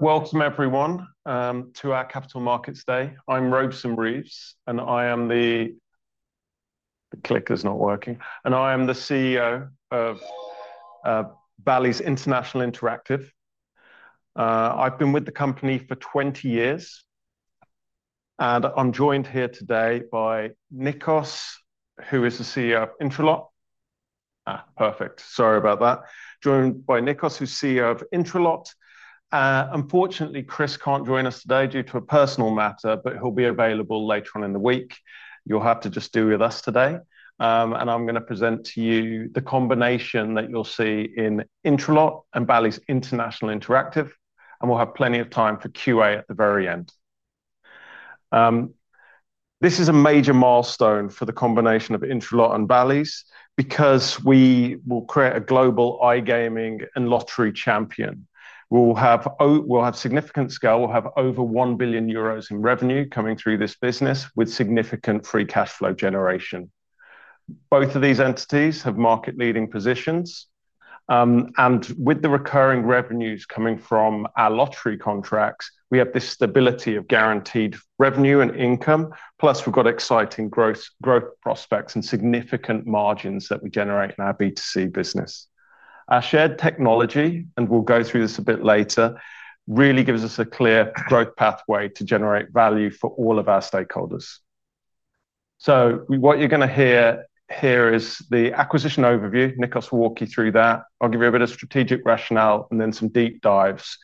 Welcome, everyone, to our Capital Markets Day. I'm Robson Reeves, and I am the CEO of Bally's International Interactive. I've been with the company for 20 years, and I'm joined here today by Nikos, who is the CEO of Intralot S.A. Integrated Lottery Systems and Services. Sorry about that. Joined by Nikos, who's CEO of Intralot S.A. Integrated Lottery Systems and Services. Unfortunately, Chris can't join us today due to a personal matter, but he'll be available later on in the week. You'll have to just do with us today. I'm going to present to you the combination that you'll see in Intralot S.A. Integrated Lottery Systems and Services and Bally's International Interactive, and we'll have plenty of time for Q&A at the very end. This is a major milestone for the combination of Intralot S.A. Integrated Lottery Systems and Services and Bally's because we will create a global iGaming and lottery champion. We'll have significant scale. We'll have over €1 billion in revenue coming through this business with significant free cash flow generation. Both of these entities have market-leading positions, and with the recurring revenues coming from our lottery contracts, we have this stability of guaranteed revenue and income. Plus, we've got exciting growth prospects and significant margins that we generate in our B2C business. Our shared technology, and we'll go through this a bit later, really gives us a clear growth pathway to generate value for all of our stakeholders. What you're going to hear here is the acquisition overview. Nikos will walk you through that. I'll give you a bit of strategic rationale and then some deep dives.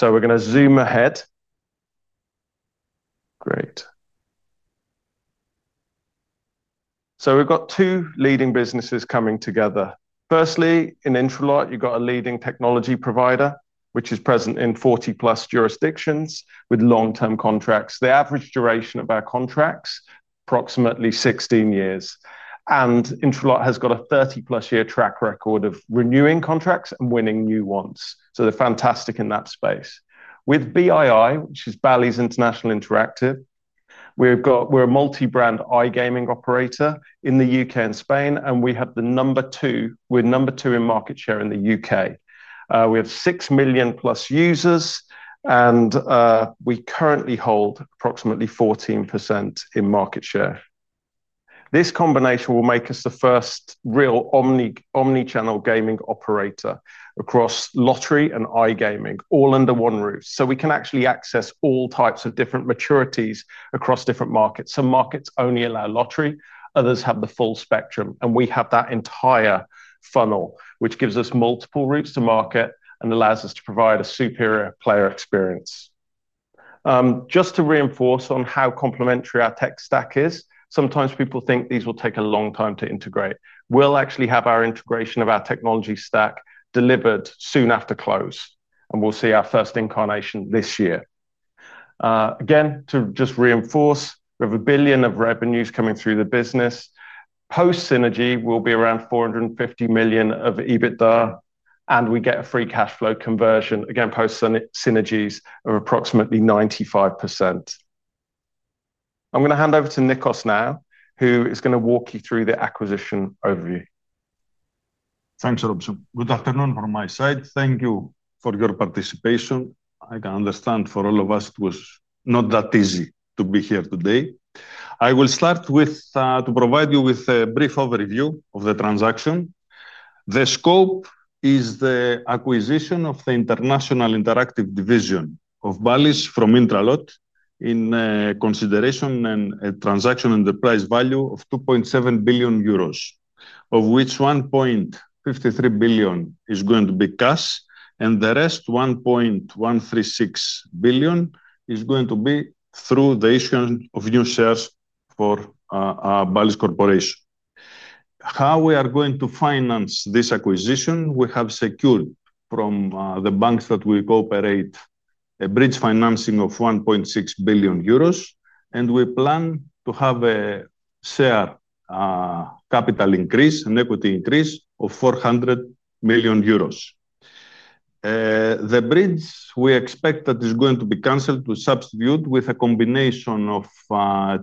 We're going to zoom ahead. Great. We've got two leading businesses coming together. Firstly, in Intralot S.A. Integrated Lottery Systems and Services, you've got a leading technology provider, which is present in 40-plus jurisdictions with long-term contracts. The average duration of our contracts is approximately 16 years, and Intralot S.A. Integrated Lottery Systems and Services has got a 30-plus-year track record of renewing contracts and winning new ones. They're fantastic in that space. With BII, which is Bally's International Interactive, we're a multi-brand iGaming operator in the UK and Spain, and we have the number two. We're number two in market share in the UK. We have 6 million-plus users, and we currently hold approximately 14% in market share. This combination will make us the first real omnichannel gaming operator across lottery and iGaming, all under one roof. We can actually access all types of different maturities across different markets. Some markets only allow lottery, others have the full spectrum, and we have that entire funnel, which gives us multiple routes to market and allows us to provide a superior player experience. Just to reinforce how complementary our tech stack is, sometimes people think these will take a long time to integrate. We'll actually have our integration of our technology stack delivered soon after close, and we'll see our first incarnation this year. Again, to just reinforce, we have a billion of revenues coming through the business. Post-synergy, we'll be around €450 million of EBITDA, and we get a free cash flow conversion, again, post-synergies of approximately 95%. I'm going to hand over to Nikos now, who is going to walk you through the acquisition overview. Thanks, Robson. Good afternoon from my side. Thank you for your participation. I can understand for all of us it was not that easy to be here today. I will start with providing you with a brief overview of the transaction. The scope is the acquisition of the International Interactive division of Bally's from Intralot S.A. Integrated Lottery Systems and Services in consideration and a transaction under price value of €2.7 billion, of which €1.53 billion is going to be cash, and the rest, €1.136 billion, is going to be through the issuance of new shares for Bally's Corporation. How we are going to finance this acquisition, we have secured from the banks that we cooperate a bridge financing of €1.6 billion, and we plan to have a share capital increase, an equity increase of €400 million. The bridge we expect that is going to be cancelled to substitute with a combination of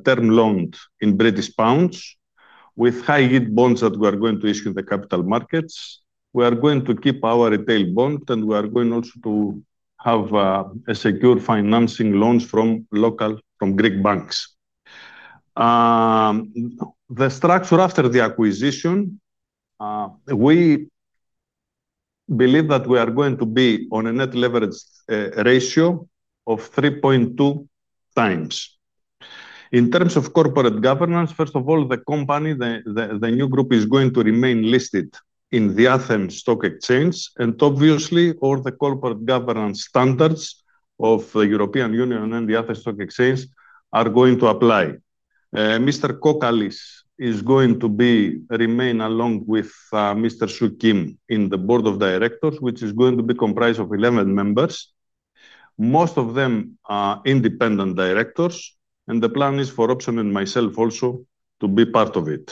term loans in British pounds with high yield bonds that we are going to issue in the capital markets. We are going to keep our repayable bond, and we are going also to have a secure financing loans from local Greek banks. The structure after the acquisition, we believe that we are going to be on a net leverage ratio of 3.2 times. In terms of corporate governance, first of all, the company, the new group is going to remain listed in the Athens Stock Exchange, and obviously, all the corporate governance standards of the European Union and the Athens Stock Exchange are going to apply. Mr. Kokkalis is going to remain along with Mr. Sokratis Kokkalis in the board of directors, which is going to be comprised of 11 members. Most of them are independent directors, and the plan is for Robson and myself also to be part of it.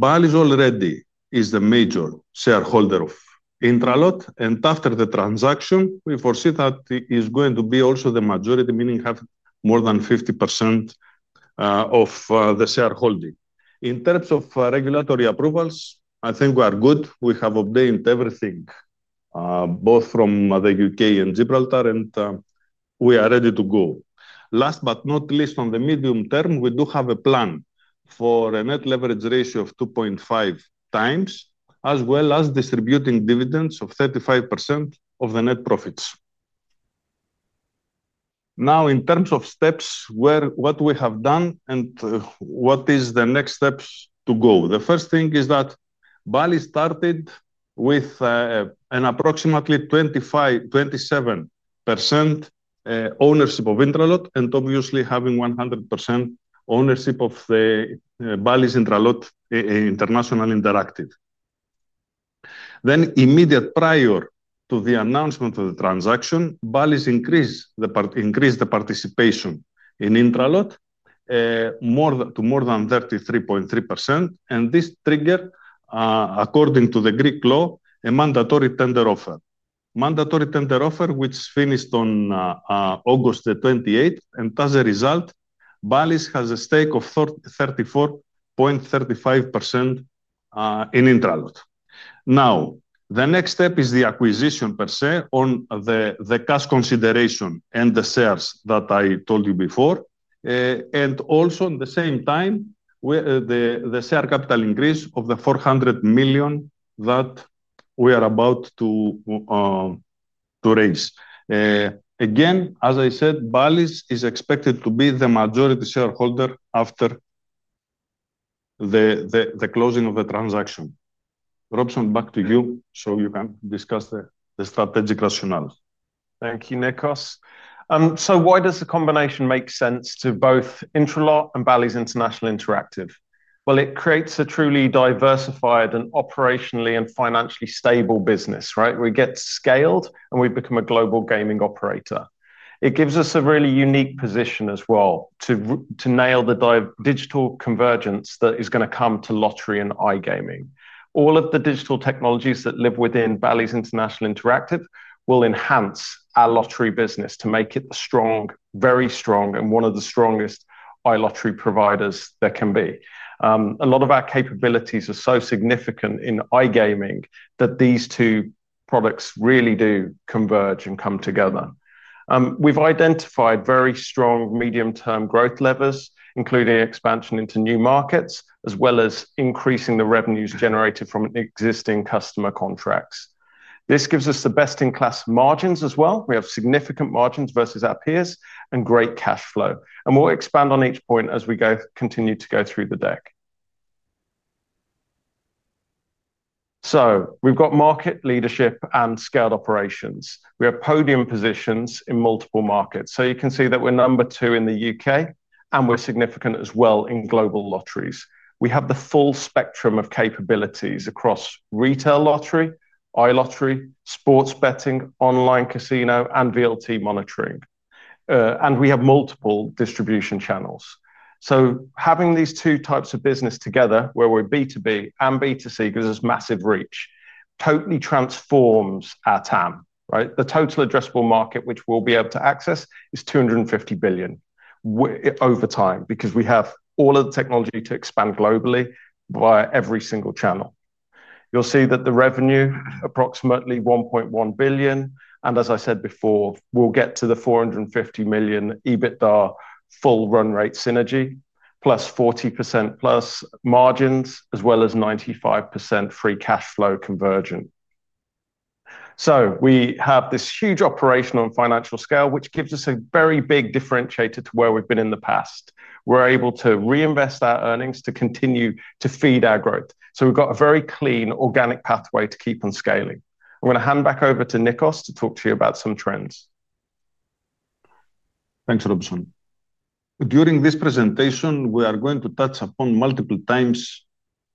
Bally's already the major shareholder of Intralot S.A., and after the transaction, we foresee that it is going to be also the majority, meaning have more than 50% of the shareholding. In terms of regulatory approvals, I think we are good. We have obtained everything both from the UK and Gibraltar, and we are ready to go. Last but not least, on the medium term, we do have a plan for a net leverage ratio of 2.5 times, as well as distributing dividends of 35% of the net profits. Now, in terms of steps, what we have done and what is the next steps to go, the first thing is that Bally started with an approximately 25%-27% ownership of Intralot S.A., and obviously having 100% ownership of Bally's International Interactive. Immediately prior to the announcement of the transaction, Bally's increased the participation in Intralot S.A. Integrated Lottery Systems and Services to more than 33.3%, and this triggered, according to Greek law, a mandatory tender offer. The mandatory tender offer finished on August 28, and as a result, Bally's has a stake of 34.35% in Intralot S.A. Integrated Lottery Systems and Services. The next step is the acquisition per se on the cash consideration and the shares that I told you before, and also at the same time, the share capital increase of €400 million that we are about to raise. As I said, Bally's is expected to be the majority shareholder after the closing of the transaction. Robson, back to you, so you can discuss the strategic rationale. Thank you, Nikos. Why does the combination make sense to both Intralot S.A. Integrated Lottery Systems and Services and Bally's International Interactive? It creates a truly diversified and operationally and financially stable business, right? We get scale, and we become a global gaming operator. It gives us a really unique position as well to nail the digital convergence that is going to come to lottery and iGaming. All of the digital technologies that live within Bally's International Interactive will enhance our lottery business to make it strong, very strong, and one of the strongest iLottery providers there can be. A lot of our capabilities are so significant in iGaming that these two products really do converge and come together. We've identified very strong medium-term growth levers, including expansion into new markets, as well as increasing the revenues generated from existing customer contracts. This gives us the best-in-class margins as well. We have significant margins versus our peers and great cash flow, and we'll expand on each point as we continue to go through the deck. We've got market leadership and scaled operations. We have podium positions in multiple markets. You can see that we're number two in the UK, and we're significant as well in global lotteries. We have the full spectrum of capabilities across retail lottery, iLottery, sports betting, online casino, and VLT monitoring, and we have multiple distribution channels. Having these two types of business together, where we're B2B and B2C, gives us massive reach, totally transforms our TAM. The total addressable market which we'll be able to access is €250 billion over time because we have all of the technology to expand globally via every single channel. You'll see that the revenue is approximately €1.1 billion, and as I said before, we'll get to the €450 million EBITDA full run-rate synergy, plus 40%+ margins, as well as 95% free cash flow conversion. We have this huge operational and financial scale, which gives us a very big differentiator to where we've been in the past. We're able to reinvest our earnings to continue to feed our growth. We've got a very clean organic pathway to keep on scaling. I'm going to hand back over to Nikos to talk to you about some trends. Thanks, Robson. During this presentation, we are going to touch upon multiple times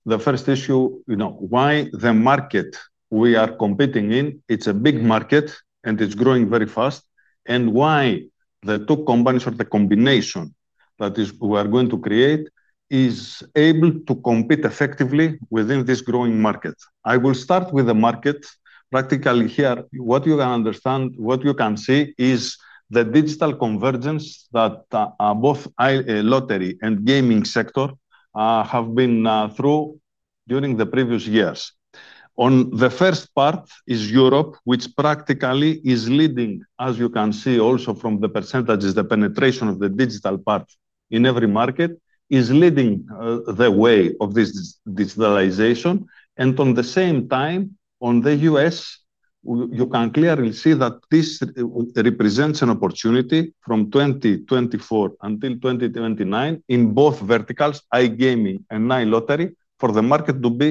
the first issue, you know, why the market we are competing in, it's a big market and it's growing very fast, and why the two companies or the combination that we are going to create is able to compete effectively within this growing market. I will start with the market. Practically here, what you can understand, what you can see is the digital convergence that both iLottery and gaming sector have been through during the previous years. On the first part is Europe, which practically is leading, as you can see also from the %, the penetration of the digital part in every market is leading the way of this digitalization. At the same time, in the U.S., you can clearly see that this represents an opportunity from 2024 until 2029 in both verticals, iGaming and iLottery, for the market to be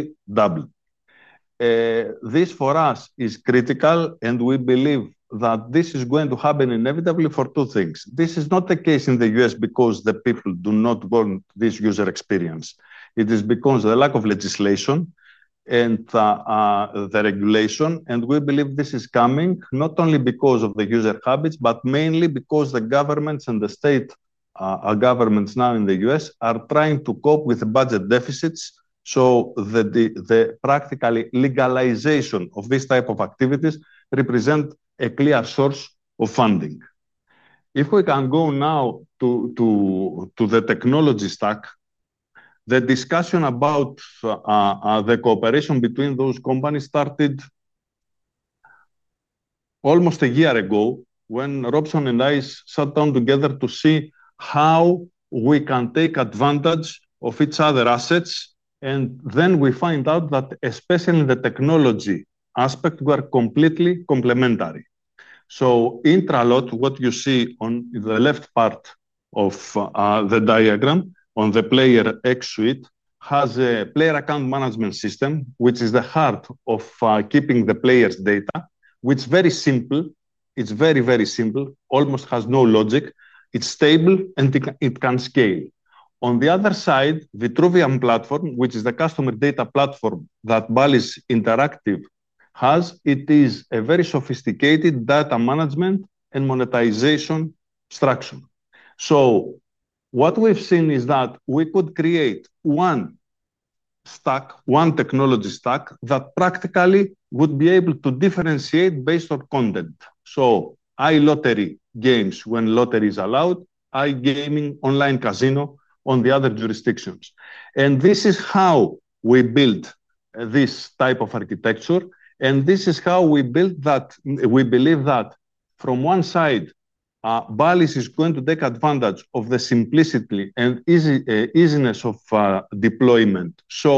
double. This for us is critical, and we believe that this is going to happen inevitably for two things. This is not the case in the U.S. because the people do not want this user experience. It is because of the lack of legislation and the regulation, and we believe this is coming not only because of the user habits, but mainly because the governments and the state governments now in the U.S. are trying to cope with the budget deficits. The legalization of this type of activities represents a clear source of funding. If we can go now to the technology stack, the discussion about the cooperation between those companies started almost a year ago when Robson and I sat down together to see how we can take advantage of each other's assets, and then we found out that especially in the technology aspect, we are completely complementary. Intralot, what you see on the left part of the diagram on the Player X Suite, has a player account management system, which is the heart of keeping the player's data, which is very simple. It's very, very simple, almost has no logic. It's stable and it can scale. On the other side, Vitruvian platform, which is the customer data platform that Bally's Interactive has, it is a very sophisticated data management and monetization structure. What we've seen is that we could create one stack, one technology stack that practically would be able to differentiate based on content. iLottery games when lottery is allowed, iGaming online casino on the other jurisdictions. This is how we build this type of architecture, and this is how we build that. We believe that from one side, Bally's is going to take advantage of the simplicity and easiness of deployment, so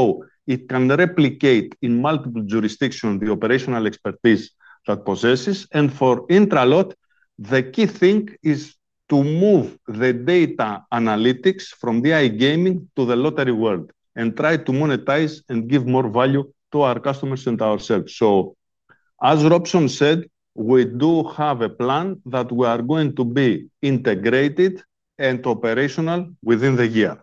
it can replicate in multiple jurisdictions the operational expertise that it possesses. For Intralot, the key thing is to move the data analytics from the iGaming to the lottery world and try to monetize and give more value to our customers and to ourselves. As Robson said, we do have a plan that we are going to be integrated and operational within the year.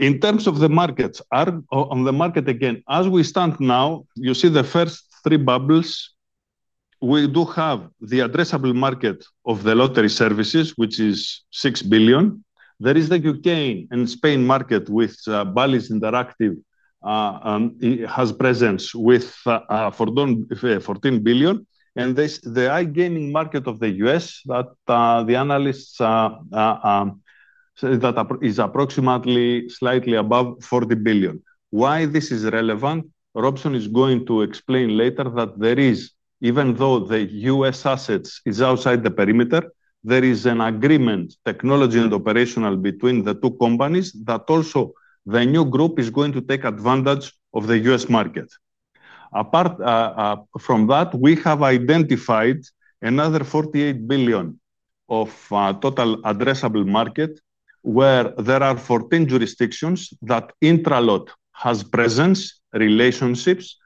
In terms of the markets, as we stand now, you see the first three bubbles. We do have the addressable market of the lottery services, which is €6 billion. There is the UK and Spain market where Bally's Interactive has presence with €14 billion, and there's the iGaming market of the U.S. that the analysts say is approximately slightly above €40 billion. Why this is relevant, Robson is going to explain later that even though the U.S. assets are outside the perimeter, there is an agreement, technology and operational, between the two companies that also the new group is going to take advantage of the U.S. market. Apart from that, we have identified another €48 billion of total addressable market where there are 14 jurisdictions that Intralot has presence, relationships,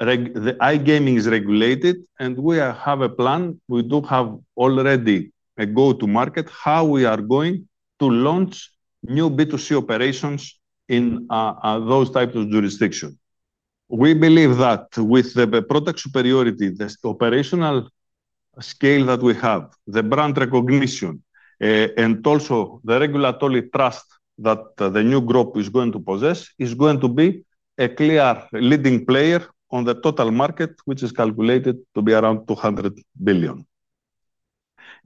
the iGaming is regulated, and we have a plan. We do have already a go-to-market for how we are going to launch new B2C operations in those types of jurisdictions. We believe that with the product superiority, the operational scale that we have, the brand recognition, and also the regulatory trust that the new group is going to possess, it is going to be a clear leading player on the total market, which is calculated to be around €200 billion.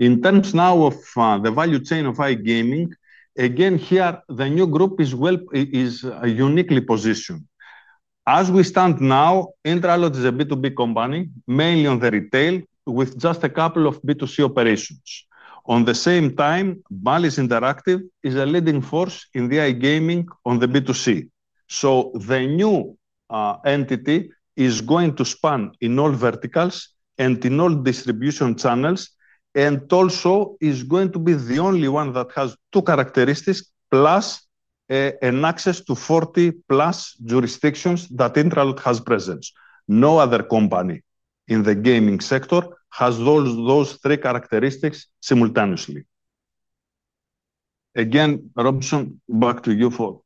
In terms now of the value chain of iGaming, again here, the new group is uniquely positioned. As we stand now, Intralot is a B2B company mainly on the retail with just a couple of B2C operations. At the same time, Bally's Interactive is a leading force in the iGaming on the B2C. The new entity is going to span in all verticals and in all distribution channels, and also is going to be the only one that has two characteristics plus an access to 40-plus jurisdictions that Intralot has presence. No other company in the gaming sector has those three characteristics simultaneously. Robson, back to you for...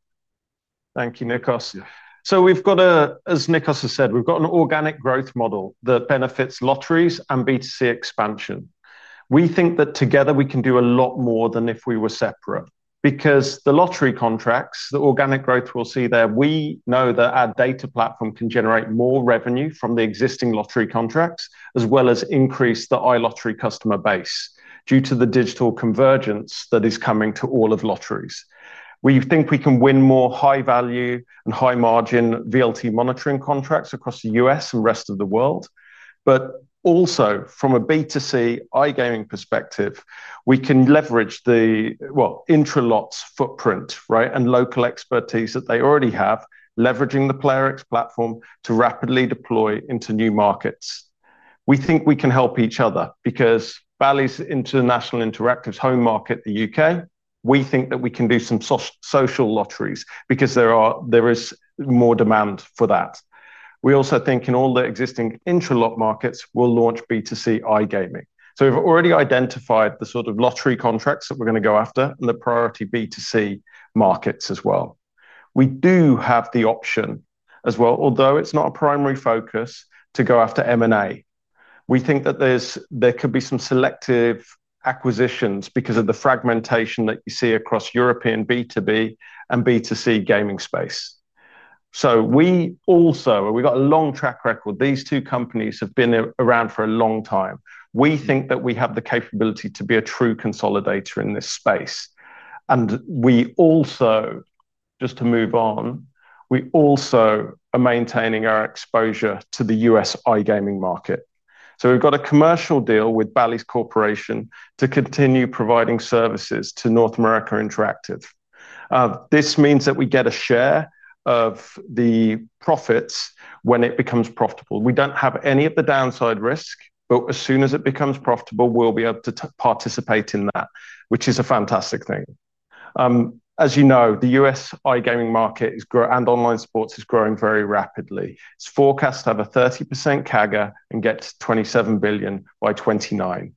Thank you, Nikos. We've got an organic growth model that benefits lotteries and B2C expansion. We think that together we can do a lot more than if we were separate because the lottery contracts, the organic growth we'll see there, we know that our data platform can generate more revenue from the existing lottery contracts, as well as increase the iLottery customer base due to the digital convergence that is coming to all of lotteries. We think we can win more high-value and high-margin VLT monitoring contracts across the U.S. and the rest of the world. Also, from a B2C iGaming perspective, we can leverage Intralot's footprint and local expertise that they already have, leveraging the Player X Suite platform to rapidly deploy into new markets. We think we can help each other because Bally's International Interactive's home market, the U.K., we think that we can do some social lotteries because there is more demand for that. We also think in all the existing Intralot markets, we'll launch B2C iGaming. We've already identified the sort of lottery contracts that we're going to go after and the priority B2C markets as well. We do have the option as well, although it's not a primary focus, to go after M&A. We think that there could be some selective acquisitions because of the fragmentation that you see across European B2B and B2C gaming space. We've got a long track record. These two companies have been around for a long time. We think that we have the capability to be a true consolidator in this space. We also are maintaining our exposure to the U.S. iGaming market. We've got a commercial deal with Bally's Corporation to continue providing services to North America Interactive. This means that we get a share of the profits when it becomes profitable. We don't have any of the downside risk, but as soon as it becomes profitable, we'll be able to participate in that, which is a fantastic thing. As you know, the U.S. iGaming market and online sports is growing very rapidly. It's forecast to have a 30% CAGR and get to €27 billion by 2029.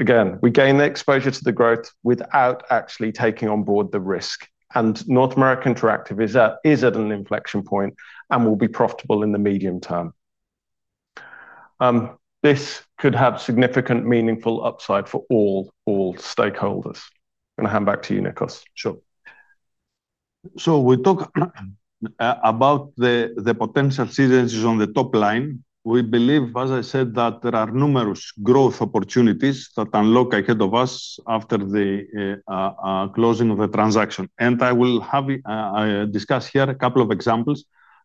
Again, we gain the exposure to the growth without actually taking on board the risk, and North America Interactive is at an inflection point and will be profitable in the medium term. This could have significant meaningful upside for all stakeholders. I'm going to hand back to you, Nikos. Sure. We talk about the potential seeders on the top line. We believe, as I said, that there are numerous growth opportunities that are located ahead of us after the closing of the transaction. I will discuss here a couple of examples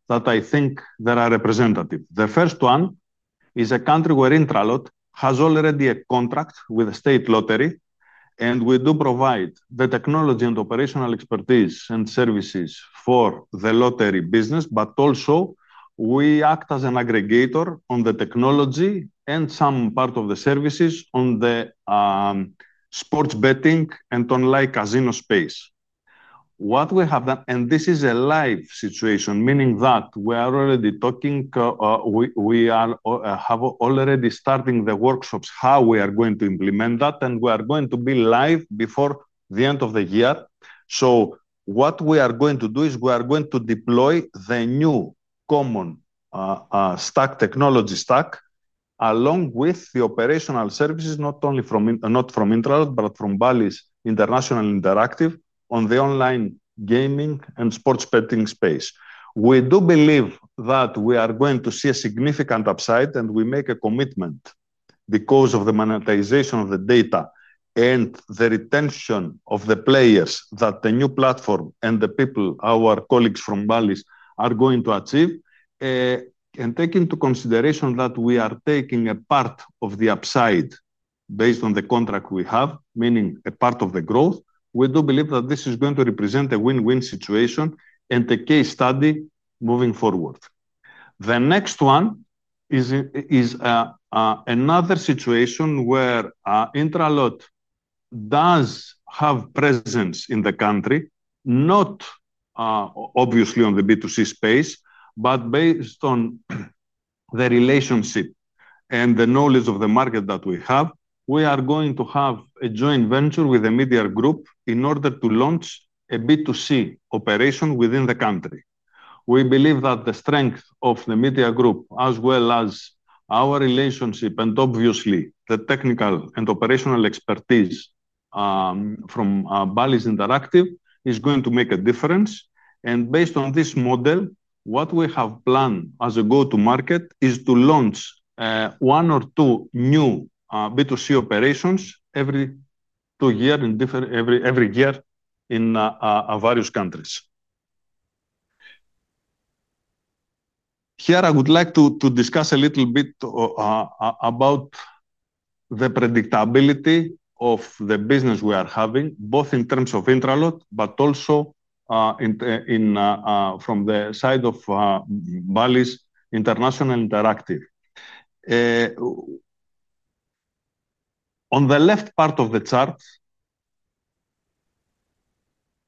that I think are representative. The first one is a country where Intralot S.A. Integrated Lottery Systems and Services already has a contract with the state lottery, and we do provide the technology and operational expertise and services for the lottery business. We also act as an aggregator on the technology and some part of the services on the sports betting and online casino space. What we have done, and this is a live situation, meaning that we are already talking, we have already started the workshops on how we are going to implement that, and we are going to be live before the end of the year. What we are going to do is deploy the new common technology stack, along with the operational services, not only from Intralot S.A. Integrated Lottery Systems and Services, but from Bally's International Interactive on the online gaming and sports betting space. We do believe that we are going to see a significant upside, and we make a commitment because of the monetization of the data and the retention of the players that the new platform and the people, our colleagues from Bally's, are going to achieve. Taking into consideration that we are taking a part of the upside based on the contract we have, meaning a part of the growth, we do believe that this is going to represent a win-win situation and a case study moving forward. The next one is another situation where Intralot S.A. Integrated Lottery Systems and Services does have presence in the country, not obviously on the B2C space, but based on the relationship and the knowledge of the market that we have, we are going to have a joint venture with the Media Group in order to launch a B2C operation within the country. We believe that the strength of the Media Group, as well as our relationship, and obviously the technical and operational expertise from Bally's International Interactive, is going to make a difference. Based on this model, what we have planned as a go-to-market is to launch one or two new B2C operations every two years, every year in various countries. Here, I would like to discuss a little bit about the predictability of the business we are having, both in terms of Intralot S.A. Integrated Lottery Systems and Services, but also from the side of Bally's International Interactive. On the left part of the chart,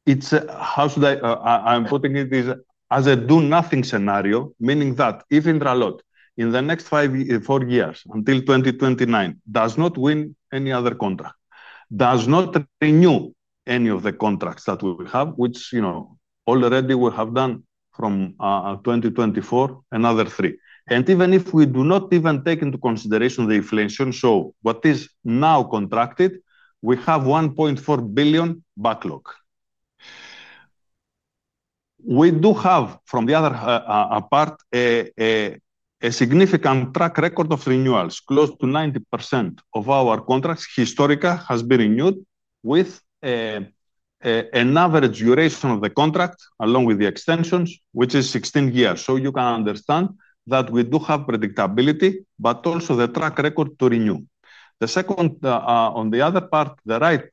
it's how should I put it? It is as a do-nothing scenario, meaning that if Intralot S.A. Integrated Lottery Systems and Services, in the next four years, until 2029, does not win any other contract, does not renew any of the contracts that we have, which you know already we have done from 2024, another three. Even if we do not even take into consideration the inflation, what is now contracted, we have $1.4 billion backlog. We do have, from the other part, a significant track record of renewals. Close to 90% of our contracts historically have been renewed with an average duration of the contract, along with the extensions, which is 16 years. You can understand that we do have predictability, but also the track record to renew. The second, on the other part, the right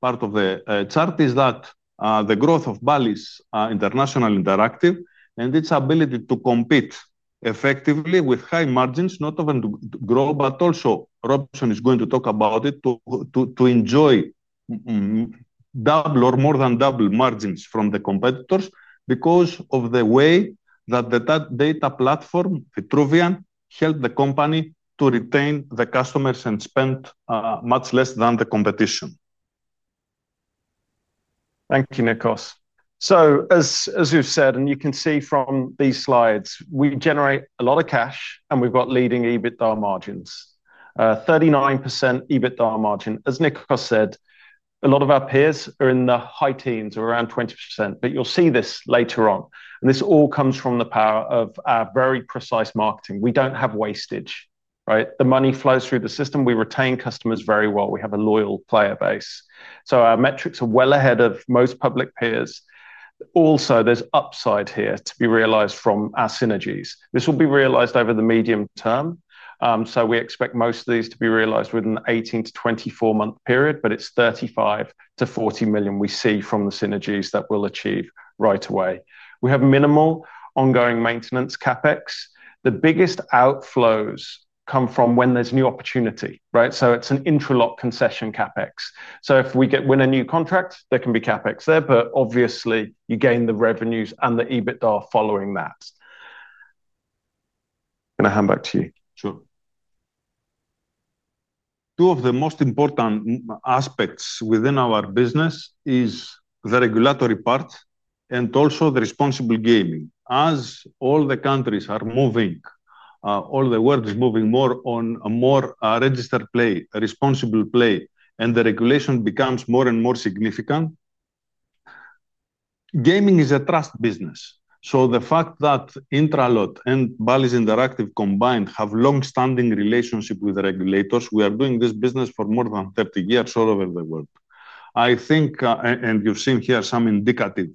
part of the chart is that the growth of Bally's International Interactive and its ability to compete effectively with high margins, not only grow, but also Robson is going to talk about it, to enjoy double or more than double margins from the competitors because of the way that the data platform, Vitruvian, helped the company to retain the customers and spend much less than the competition. Thank you, Nikos. As you've said, and you can see from these slides, we generate a lot of cash, and we've got leading EBITDA margins, 39% EBITDA margin. As Nikos said, a lot of our peers are in the high teens or around 20%, but you'll see this later on. This all comes from the power of our very precise marketing. We don't have wastage. The money flows through the system. We retain customers very well. We have a loyal player base. Our metrics are well ahead of most public peers. Also, there's upside here to be realized from our synergies. This will be realized over the medium term. We expect most of these to be realized within an 18 to 24-month period, but it's $35 to $40 million we see from the synergies that we'll achieve right away. We have minimal ongoing maintenance CAPEX. The biggest outflows come from when there's new opportunity. It's an Intralot S.A. concession CAPEX. If we win a new contract, there can be CAPEX there, but obviously, you gain the revenues and the EBITDA following that. I'm going to hand back to you. Sure. Two of the most important aspects within our business are the regulatory part and also the responsible gaming. As all the countries are moving, all the world is moving more on a more registered play, a responsible play, and the regulation becomes more and more significant. Gaming is a trust business. The fact that Intralot S.A. Integrated Lottery Systems and Services and Bally's International Interactive combined have a longstanding relationship with the regulators, we are doing this business for more than 30 years all over the world. I think, and you've seen here some indicative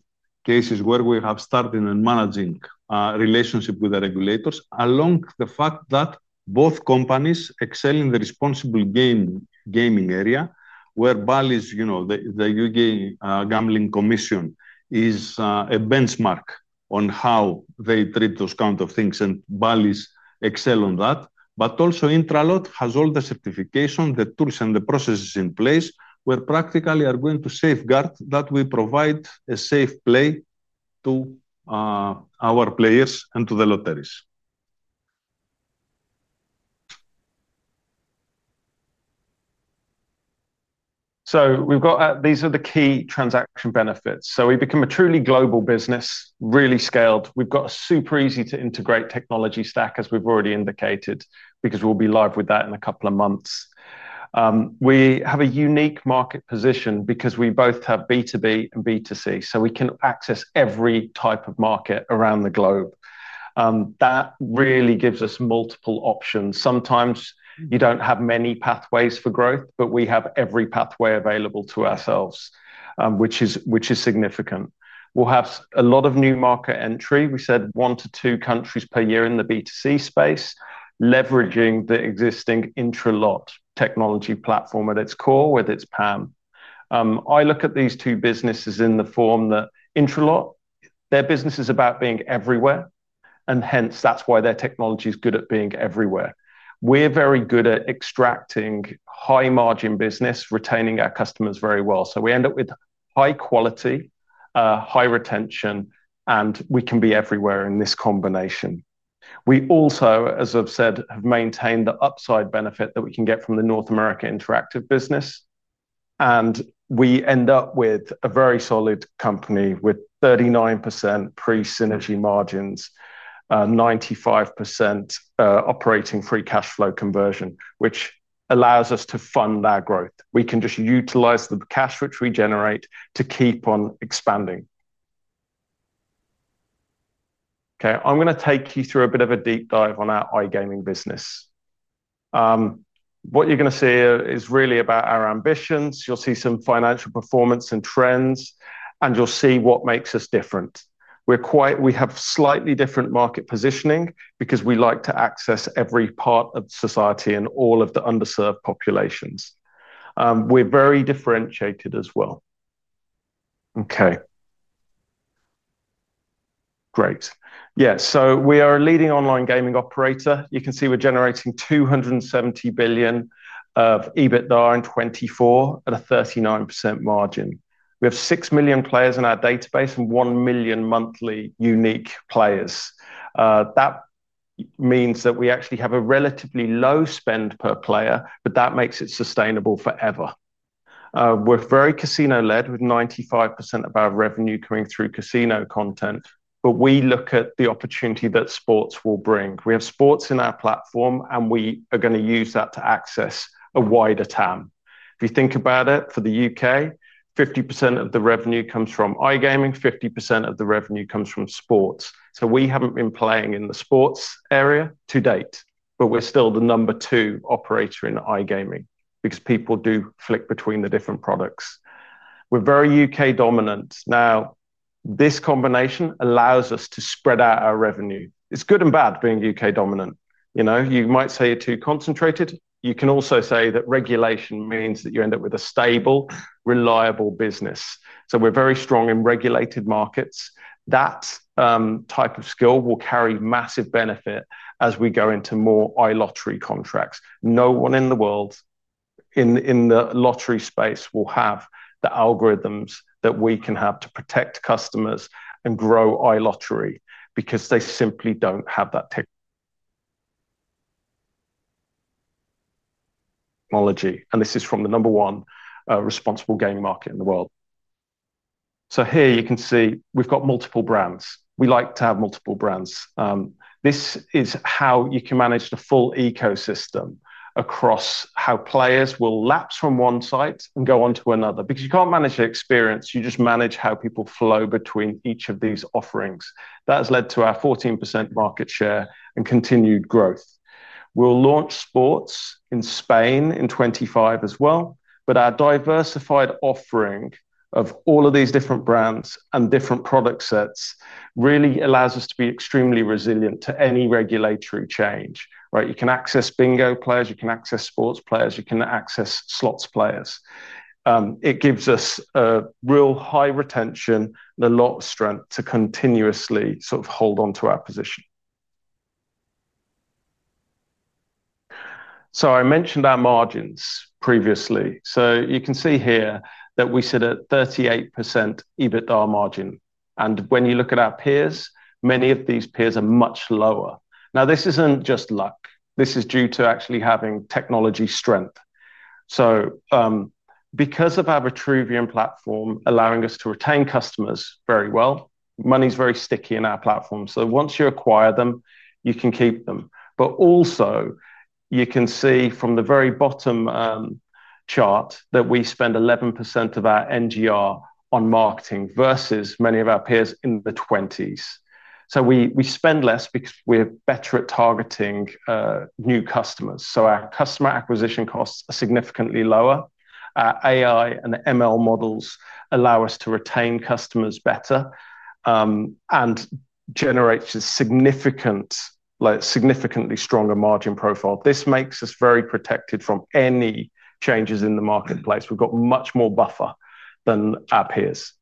cases where we have started and managed a relationship with the regulators, along with the fact that both companies excel in the responsible gaming area, where Bally's, the UK regulatory authorities, is a benchmark on how they treat those kinds of things, and Bally's excel on that. Intralot S.A. Integrated Lottery Systems and Services also has all the certification, the tools, and the processes in place where practically we are going to safeguard that we provide a safe play to our players and to the lotteries. We've got these are the key transaction benefits. We become a truly global business, really scaled. We've got a super easy-to-integrate technology stack, as we've already indicated, because we'll be live with that in a couple of months. We have a unique market position because we both have B2B and B2C, so we can access every type of market around the globe. That really gives us multiple options. Sometimes you don't have many pathways for growth, but we have every pathway available to ourselves, which is significant. We'll have a lot of new market entry. We said one to two countries per year in the B2C space, leveraging the existing Intralot technology platform at its core, whether it's PAM. I look at these two businesses in the form that Intralot, their business is about being everywhere, and hence that's why their technology is good at being everywhere. We're very good at extracting high-margin business, retaining our customers very well. We end up with high quality, high retention, and we can be everywhere in this combination. We also, as I've said, have maintained the upside benefit that we can get from the North America Interactive business, and we end up with a very solid company with 39% pre-synergy margins, 95% operating free cash flow conversion, which allows us to fund our growth. We can just utilize the cash which we generate to keep on expanding. I'm going to take you through a bit of a deep dive on our iGaming business. What you're going to see is really about our ambitions. You'll see some financial performance and trends, and you'll see what makes us different. We have slightly different market positioning because we like to access every part of society and all of the underserved populations. We're very differentiated as well. Great. We are a leading online gaming operator. You can see we're generating €270 million of EBITDA in 2024 at a 39% margin. We have 6 million players in our database and 1 million monthly unique players. That means that we actually have a relatively low spend per player, but that makes it sustainable forever. We're very casino-led with 95% of our revenue coming through casino content, but we look at the opportunity that sports will bring. We have sports in our platform, and we are going to use that to access a wider TAM. If you think about it, for the UK, 50% of the revenue comes from iGaming, 50% of the revenue comes from sports. We haven't been playing in the sports area to date, but we're still the number two operator in iGaming because people do flick between the different products. We're very UK dominant. This combination allows us to spread out our revenue. It's good and bad being UK dominant. You might say you're too concentrated. You can also say that regulation means that you end up with a stable, reliable business. We're very strong in regulated markets. That type of skill will carry massive benefit as we go into more iLottery contracts. No one in the world in the lottery space will have the algorithms that we can have to protect customers and grow iLottery because they simply don't have that technology. This is from the number one responsible gaming market in the world. Here you can see we've got multiple brands. We like to have multiple brands. This is how you can manage the full ecosystem across how players will lapse from one site and go on to another. You can't manage the experience, you just manage how people flow between each of these offerings. That has led to our 14% market share and continued growth. We'll launch sports in Spain in 2025 as well, but our diversified offering of all of these different brands and different product sets really allows us to be extremely resilient to any regulatory change. You can access bingo players, you can access sports players, you can access slots players. It gives us a real high retention and a lot of strength to continuously sort of hold onto our position. I mentioned our margins previously. You can see here that we sit at 38% EBITDA margin. When you look at our peers, many of these peers are much lower. This isn't just luck. This is due to actually having technology strength. Because of our Vitruvian platform allowing us to retain customers very well, money's very sticky in our platform. Once you acquire them, you can keep them. You can see from the very bottom chart that we spend 11% of our NGR on marketing versus many of our peers in the 20s. We spend less because we're better at targeting new customers. Our customer acquisition costs are significantly lower. Our AI and ML models allow us to retain customers better and generate a significantly stronger margin profile. This makes us very protected from any changes in the marketplace. We've got much more buffer than our peers.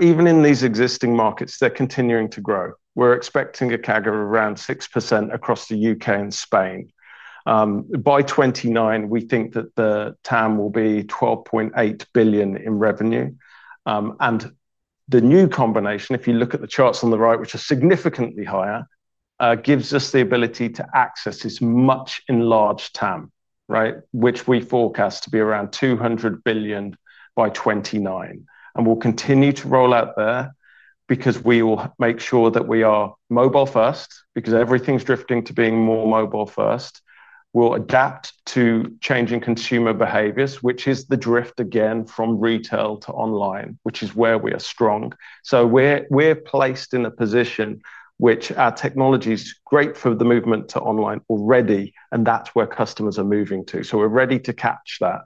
Even in these existing markets, they're continuing to grow. We're expecting a CAGR of around 6% across the UK and Spain. By 2029, we think that the TAM will be €12.8 billion in revenue. The new combination, if you look at the charts on the right, which are significantly higher, gives us the ability to access this much enlarged TAM, which we forecast to be around €200 billion by 2029. We'll continue to roll out there because we will make sure that we are mobile-first because everything's drifting to being more mobile-first. We'll adapt to changing consumer behaviors, which is the drift again from retail to online, which is where we are strong. We're placed in a position which our technology is great for the movement to online already, and that's where customers are moving to. We're ready to catch that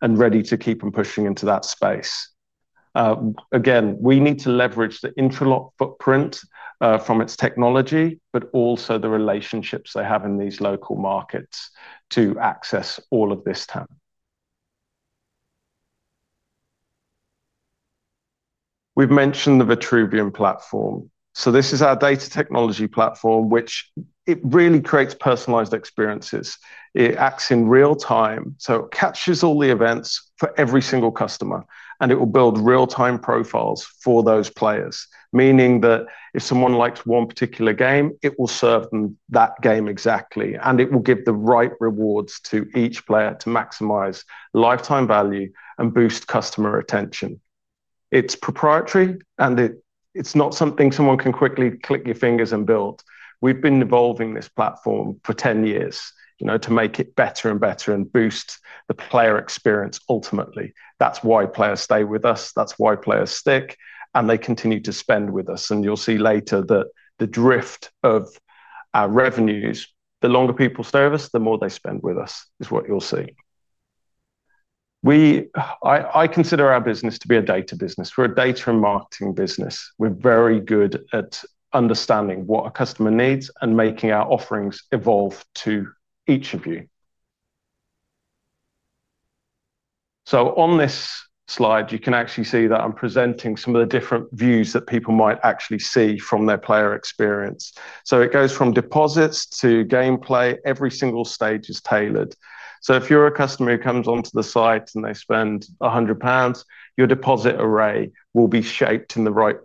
and ready to keep on pushing into that space. We need to leverage the Intralot footprint from its technology, but also the relationships they have in these local markets to access all of this TAM. We've mentioned the Vitruvian platform. This is our data technology platform, which really creates personalized experiences. It acts in real time, so it captures all the events for every single customer, and it will build real-time profiles for those players, meaning that if someone likes one particular game, it will serve them that game exactly, and it will give the right rewards to each player to maximize lifetime value and boost customer retention. It's proprietary, and it's not something someone can quickly click your fingers and build. We've been evolving this platform for 10 years, you know, to make it better and better and boost the player experience ultimately. That's why players stay with us. That's why players stick, and they continue to spend with us. You'll see later that the drift of our revenues, the longer people serve us, the more they spend with us is what you'll see. I consider our business to be a data business. We're a data and marketing business. We're very good at understanding what a customer needs and making our offerings evolve to each of you. On this slide, you can actually see that I'm presenting some of the different views that people might actually see from their player experience. It goes from deposits to gameplay. Every single stage is tailored. If you're a customer who comes onto the site and they spend £100, your deposit array will be shaped in the right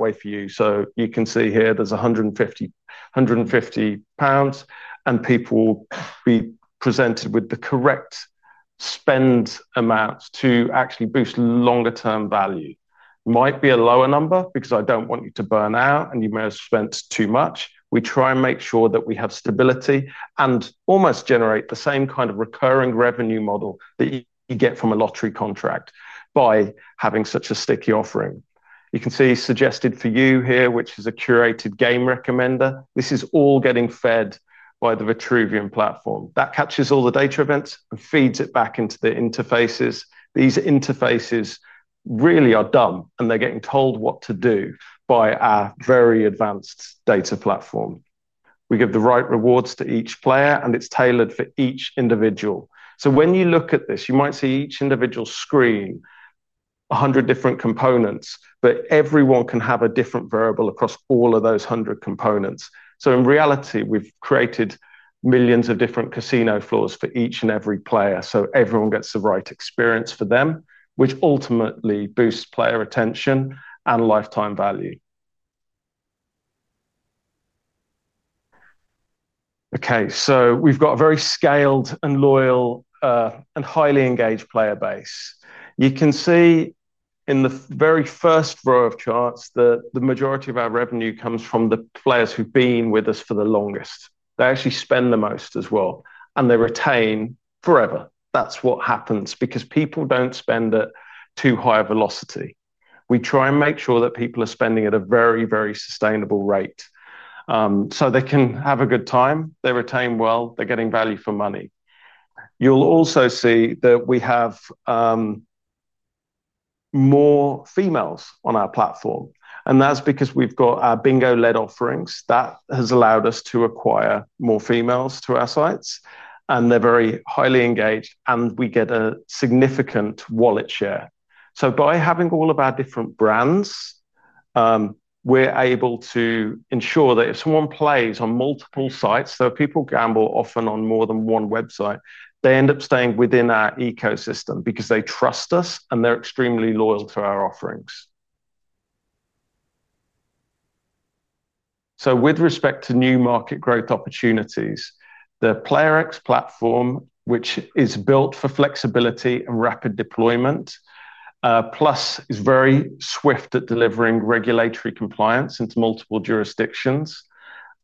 way for you. You can see here there's £150, and people will be presented with the correct spend amount to actually boost longer-term value. It might be a lower number because I don't want you to burn out, and you may have spent too much. We try and make sure that we have stability and almost generate the same kind of recurring revenue model that you get from a lottery contract by having such a sticky offering. You can see suggested for you here, which is a curated game recommender. This is all getting fed by the Vitruvian platform. That catches all the data events and feeds it back into the interfaces. These interfaces really are dumb, and they're getting told what to do by our very advanced data platform. We give the right rewards to each player, and it's tailored for each individual. When you look at this, you might see each individual screen 100 different components, but everyone can have a different variable across all of those 100 components. In reality, we've created millions of different casino floors for each and every player so everyone gets the right experience for them, which ultimately boosts player retention and lifetime value. We have a very scaled and loyal and highly engaged player base. You can see in the very first row of charts that the majority of our revenue comes from the players who've been with us for the longest. They actually spend the most as well, and they retain forever. That's what happens because people don't spend at too high a velocity. We try and make sure that people are spending at a very, very sustainable rate so they can have a good time. They retain well. They're getting value for money. You'll also see that we have more females on our platform, and that's because we've got our bingo-led offerings. That has allowed us to acquire more females to our sites, and they're very highly engaged, and we get a significant wallet share. By having all of our different brands, we're able to ensure that if someone plays on multiple sites, though people gamble often on more than one website, they end up staying within our ecosystem because they trust us, and they're extremely loyal to our offerings. With respect to new market growth opportunities, the Player X Suite platform, which is built for flexibility and rapid deployment, is very swift at delivering regulatory compliance into multiple jurisdictions.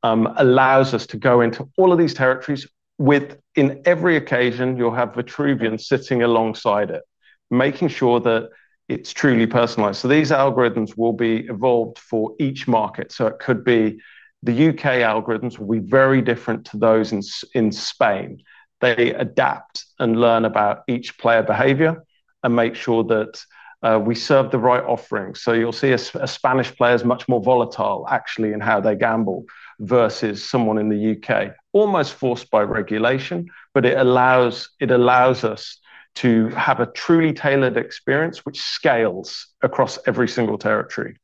This allows us to go into all of these territories with, in every occasion, you'll have the Vitruvian platform sitting alongside it, making sure that it's truly personalized. These algorithms will be evolved for each market. The UK algorithms will be very different to those in Spain. They adapt and learn about each player behavior and make sure that we serve the right offerings. A Spanish player is much more volatile, actually, in how they gamble versus someone in the UK. Almost forced by regulation, but it allows us to have a truly tailored experience which scales across every single territory.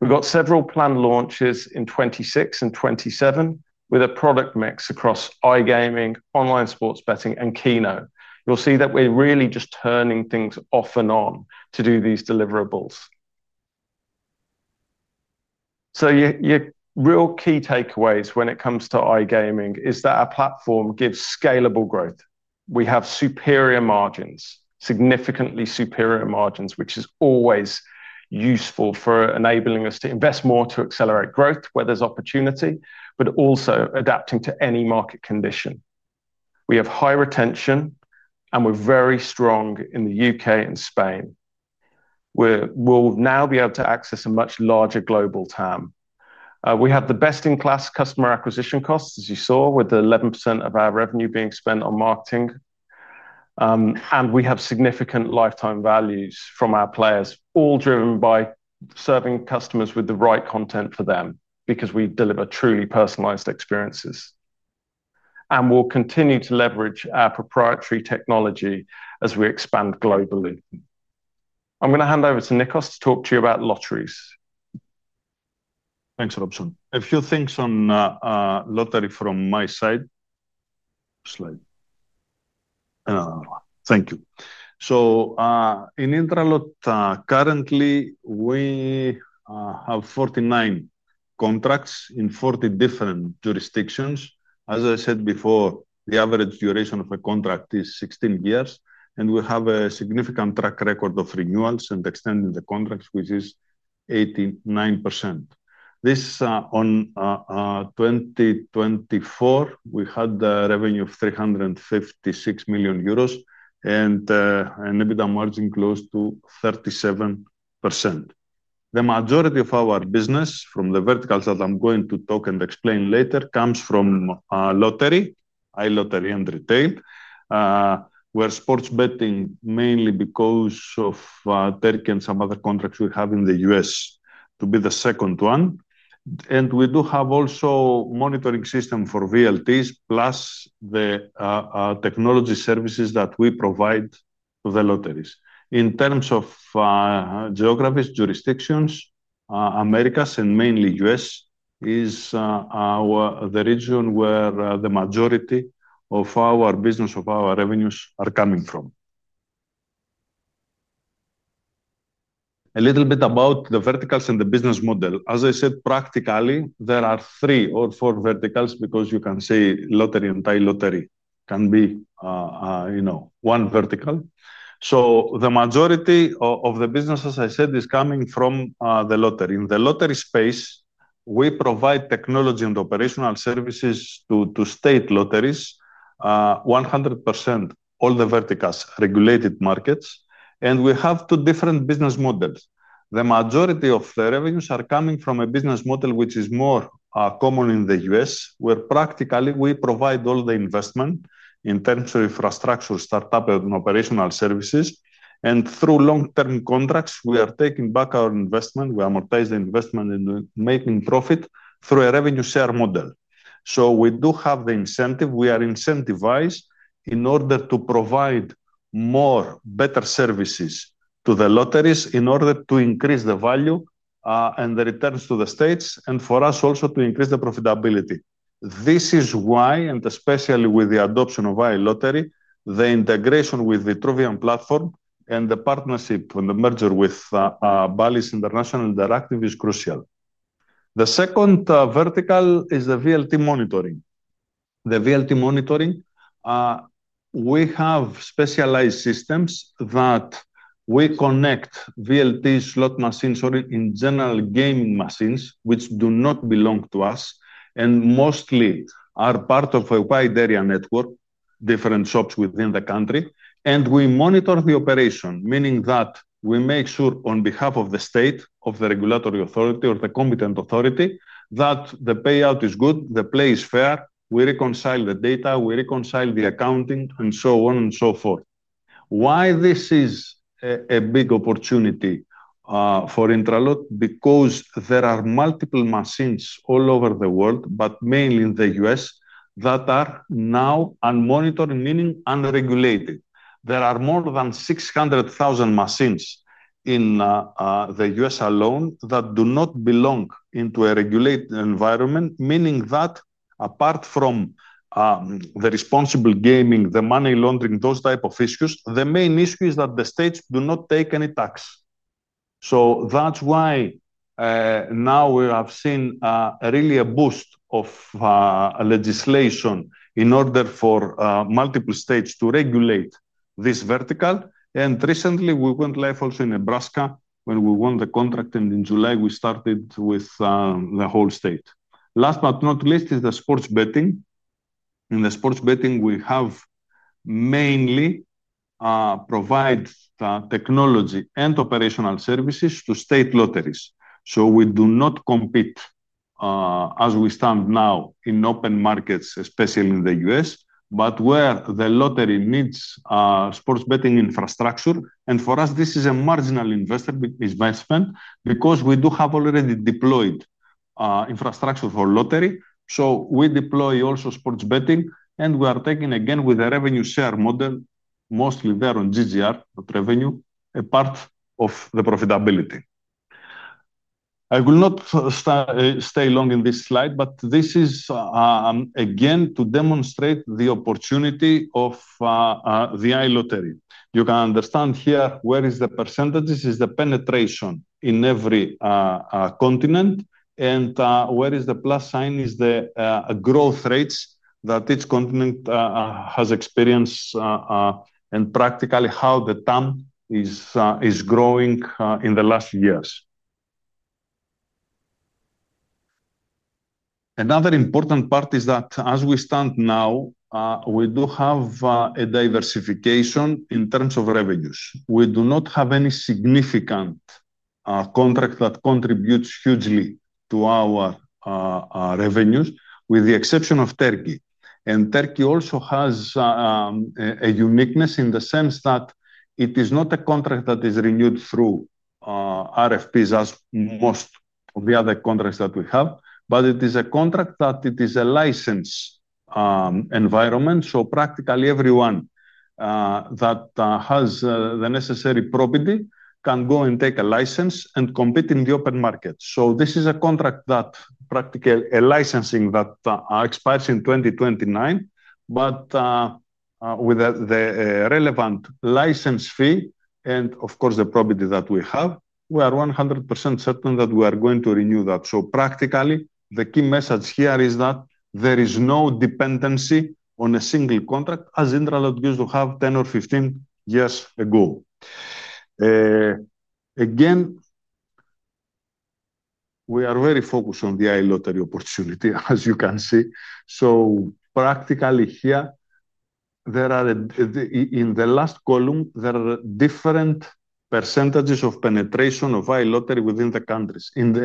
We've got several planned launches in 2026 and 2027 with a product mix across iGaming, online sports betting, and kino. We're really just turning things off and on to do these deliverables. Your real key takeaways when it comes to iGaming is that our platform gives scalable growth. We have superior margins, significantly superior margins, which is always useful for enabling us to invest more to accelerate growth where there's opportunity, but also adapting to any market condition. We have high retention, and we're very strong in the UK and Spain. We'll now be able to access a much larger global TAM. We have the best-in-class customer acquisition costs, as you saw, with 11% of our revenue being spent on marketing. We have significant lifetime values from our players, all driven by serving customers with the right content for them because we deliver truly personalized experiences. We'll continue to leverage our proprietary technology as we expand globally. I'm going to hand over to Nikos to talk to you about lotteries. Thanks, Robson. A few things on lottery from my side. Thank you. In Intralot, currently, we have 49 contracts in 40 different jurisdictions. As I said before, the average duration of a contract is 16 years, and we have a significant track record of renewals and extending the contracts, which is 89%. This is in 2024. We had a revenue of €356 million and an EBITDA margin close to 37%. The majority of our business from the verticals that I'm going to talk and explain later comes from lottery, iLottery, and retail, where sports betting mainly because of TERC and some other contracts we have in the U.S. is the second one. We do have also a monitoring system for VLTs, plus the technology services that we provide to the lotteries. In terms of geographies, jurisdictions, Americas and mainly U.S. is the region where the majority of our business, of our revenues are coming from. A little bit about the verticals and the business model. As I said, practically there are three or four verticals because you can say lottery and iLottery can be one vertical. The majority of the business, as I said, is coming from the lottery. In the lottery space, we provide technology and operational services to state lotteries, 100% all the verticals, regulated markets, and we have two different business models. The majority of the revenues are coming from a business model which is more common in the U.S., where practically we provide all the investment in terms of infrastructure, startup, and operational services. Through long-term contracts, we are taking back our investment. We amortize the investment and make profit through a revenue share model. We do have the incentive. We are incentivized in order to provide more, better services to the lotteries in order to increase the value and the returns to the states, and for us also to increase the profitability. This is why, and especially with the adoption of iLottery, the integration with Vitruvian platform and the partnership and the merger with Bally's International Interactive is crucial. The second vertical is the VLT monitoring. The VLT monitoring, we have specialized systems that we connect VLT slot machines or in general gaming machines which do not belong to us and mostly are part of a wide area network, different shops within the country. We monitor the operation, meaning that we make sure on behalf of the state, of the regulatory authority, or the competent authority that the payout is good, the play is fair. We reconcile the data, we reconcile the accounting, and so on and so forth. This is a big opportunity for Intralot S.A. Integrated Lottery Systems and Services because there are multiple machines all over the world, but mainly in the U.S., that are now unmonitored, meaning unregulated. There are more than 600,000 machines in the U.S. alone that do not belong in a regulated environment, meaning that apart from the responsible gaming, the money laundering, those types of issues, the main issue is that the states do not take any tax. That is why now we have seen really a boost of legislation in order for multiple states to regulate this vertical. Recently, we went live also in Nebraska when we won the contract, and in July, we started with the whole state. Last but not least is the sports betting. In sports betting, we have mainly provided technology and operational services to state lotteries. We do not compete as we stand now in open markets, especially in the U.S., but where the lottery needs sports betting infrastructure. For us, this is a marginal investment because we do have already deployed infrastructure for lottery. We deploy also sports betting, and we are taking again with a revenue share model, mostly there on GGR, not revenue, a part of the profitability. I will not stay long in this slide, but this is again to demonstrate the opportunity of the iLottery. You can understand here where the % is the penetration in every continent and where the plus sign is the growth rates that each continent has experienced and practically how the TAM is growing in the last years. Another important part is that as we stand now, we do have a diversification in terms of revenues. We do not have any significant contract that contributes hugely to our revenues, with the exception of TERC. TERC also has a uniqueness in the sense that it is not a contract that is renewed through RFPs as most of the other contracts that we have, but it is a contract that is a licensed environment. Practically everyone that has the necessary property can go and take a license and compete in the open market. This is a contract that is a licensing that expires in 2029, but with the relevant license fee and of course the property that we have, we are 100% certain that we are going to renew that. Practically the key message here is that there is no dependency on a single contract as Intralot used to have 10 or 15 years ago. Again, we are very focused on the iLottery opportunity, as you can see. Practically here, in the last column, there are different percentages of penetration of iLottery within the countries. In the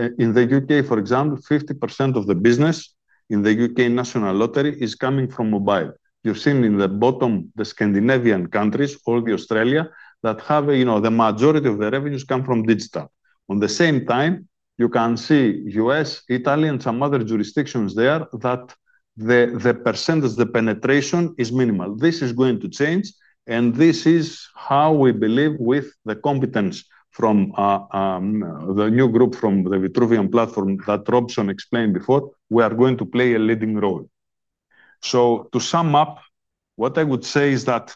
UK, for example, 50% of the business in the UK National Lottery is coming from mobile. You've seen in the bottom, the Scandinavian countries, all the Australia that have the majority of the revenues come from digital. At the same time, you can see US, Italy, and some other jurisdictions there that the percentage, the penetration is minimal. This is going to change, and this is how we believe with the competence from the new group from the Vitruvian platform that Robson explained before, we are going to play a leading role. To sum up, what I would say is that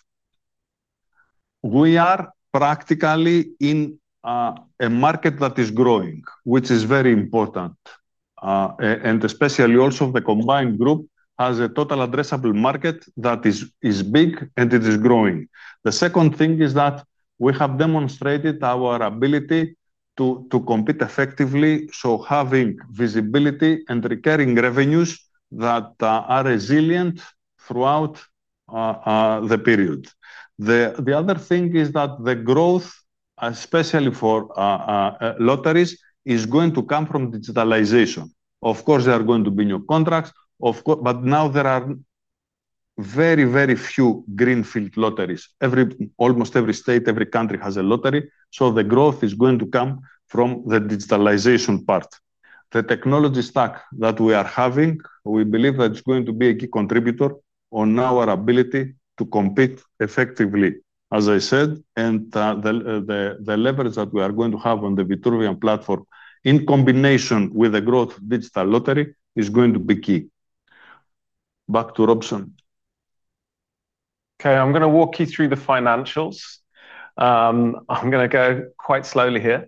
we are practically in a market that is growing, which is very important, and especially also the combined group has a total addressable market that is big and it is growing. The second thing is that we have demonstrated our ability to compete effectively, so having visibility and recurring revenues that are resilient throughout the period. The other thing is that the growth, especially for lotteries, is going to come from digitalization. Of course, there are going to be new contracts, but now there are very, very few greenfield lotteries. Almost every state, every country has a lottery, so the growth is going to come from the digitalization part. The technology stack that we are having, we believe that it's going to be a key contributor on our ability to compete effectively, as I said, and the leverage that we are going to have on the Vitruvian platform in combination with the growth of digital lottery is going to be key. Back to Robson. Okay, I'm going to walk you through the financials. I'm going to go quite slowly here.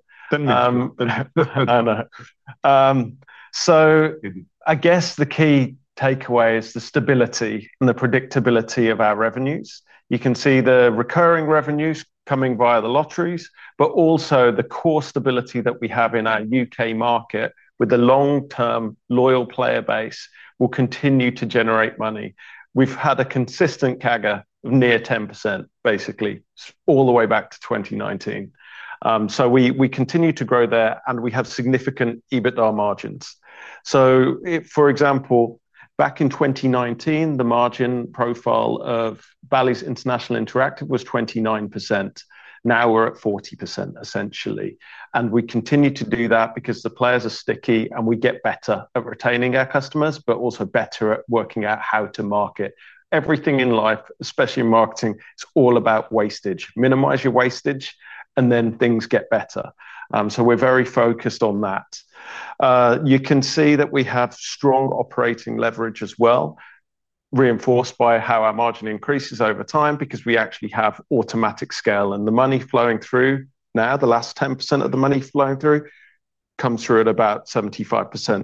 I guess the key takeaway is the stability and the predictability of our revenues. You can see the recurring revenues coming via the lotteries, but also the core stability that we have in our UK market with the long-term loyal player base will continue to generate money. We've had a consistent CAGR of near 10%, basically, all the way back to 2019. We continue to grow there, and we have significant EBITDA margins. For example, back in 2019, the margin profile of Bally's International Interactive was 29%. Now we're at 40%, essentially. We continue to do that because the players are sticky, and we get better at retaining our customers, but also better at working out how to market. Everything in life, especially marketing, is all about wastage. Minimize your wastage, and then things get better. We are very focused on that. You can see that we have strong operating leverage as well, reinforced by how our margin increases over time because we actually have automatic scale, and the money flowing through now, the last 10% of the money flowing through, comes through at about 75%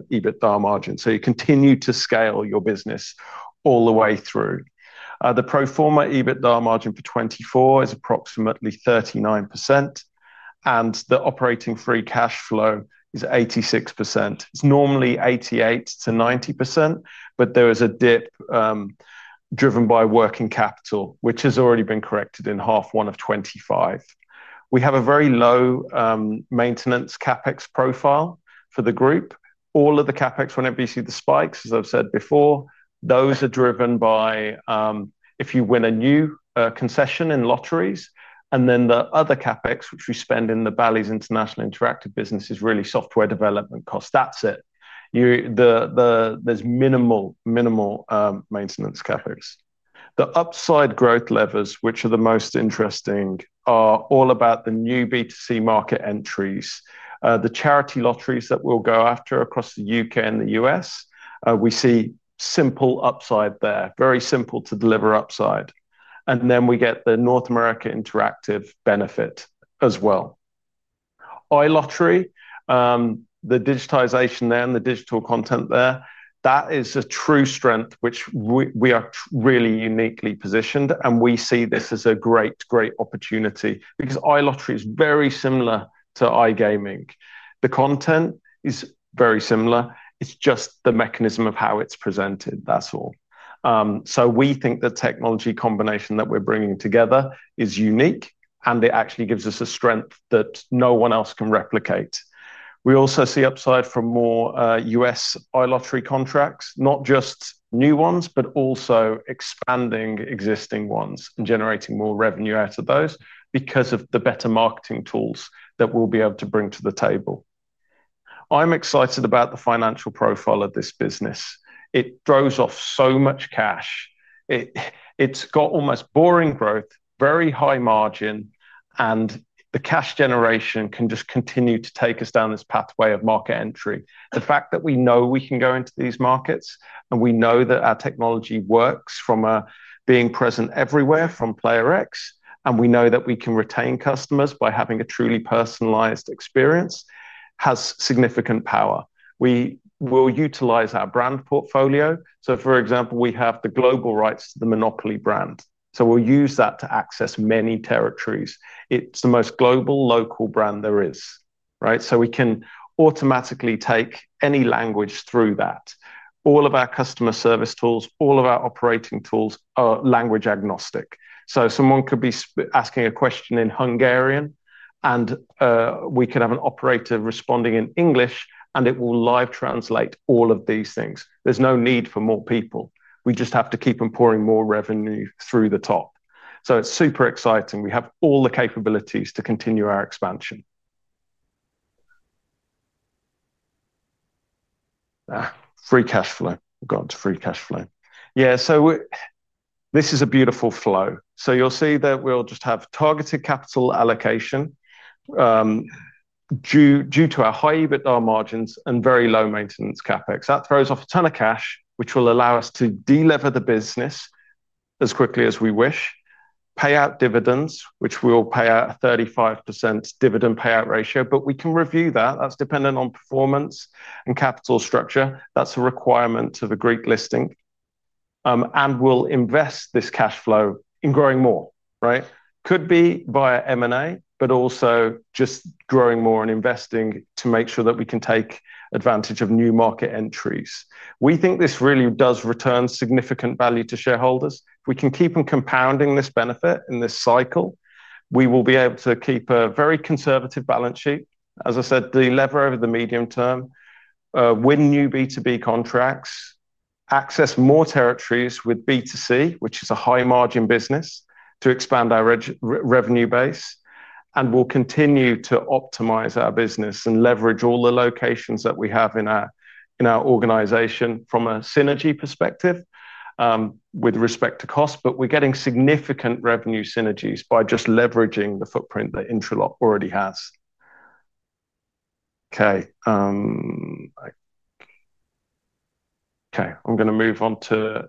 EBITDA margin. You continue to scale your business all the way through. The pro forma EBITDA margin for 2024 is approximately 39%, and the operating free cash flow is 86%. It's normally 88% to 90%, but there is a dip driven by working capital, which has already been corrected in half one of 2025. We have a very low maintenance CAPEX profile for the group. All of the CAPEX, whenever you see the spikes, as I've said before, those are driven by if you win a new concession in lotteries, and then the other CAPEX, which we spend in the Bally's International Interactive business, is really software development costs. That's it. There's minimal maintenance CAPEX. The upside growth levers, which are the most interesting, are all about the new B2C market entries, the charity lotteries that we'll go after across the UK and the US. We see simple upside there, very simple to deliver upside. We get the North America Interactive benefit as well. iLottery, the digitization there, and the digital content there, that is a true strength, which we are really uniquely positioned, and we see this as a great, great opportunity because iLottery is very similar to iGaming. The content is very similar. It's just the mechanism of how it's presented. That's all. We think the technology combination that we're bringing together is unique, and it actually gives us a strength that no one else can replicate. We also see upside from more U.S. iLottery contracts, not just new ones, but also expanding existing ones and generating more revenue out of those because of the better marketing tools that we'll be able to bring to the table. I'm excited about the financial profile of this business. It throws off so much cash. It's got almost boring growth, very high margin, and the cash generation can just continue to take us down this pathway of market entry. The fact that we know we can go into these markets, and we know that our technology works from being present everywhere from Player X, and we know that we can retain customers by having a truly personalized experience has significant power. We will utilize our brand portfolio. For example, we have the global rights to the Monopoly brand. We'll use that to access many territories. It's the most global local brand there is. We can automatically take any language through that. All of our customer service tools, all of our operating tools are language agnostic. Someone could be asking a question in Hungarian, and we could have an operator responding in English, and it will live translate all of these things. There's no need for more people. We just have to keep on pouring more revenue through the top. It's super exciting. We have all the capabilities to continue our expansion. Free cash flow. We've gone to free cash flow. This is a beautiful flow. You'll see that we'll just have targeted capital allocation due to our high EBITDA margins and very low maintenance CAPEX. That throws off a ton of cash, which will allow us to deliver the business as quickly as we wish, pay out dividends, which we'll pay out a 35% dividend payout ratio, but we can review that. That's dependent on performance and capital structure. That's a requirement of a Greek listing. We'll invest this cash flow in growing more. Could be via M&A, but also just growing more and investing to make sure that we can take advantage of new market entries. We think this really does return significant value to shareholders. We can keep on compounding this benefit in this cycle. We will be able to keep a very conservative balance sheet. As I said, the lever over the medium term, win new B2B contracts, access more territories with B2C, which is a high-margin business, to expand our revenue base, and we'll continue to optimize our business and leverage all the locations that we have in our organization from a synergy perspective with respect to cost, but we're getting significant revenue synergies by just leveraging the footprint that Intralot S.A. Integrated Lottery Systems and Services already has. I'm going to move on to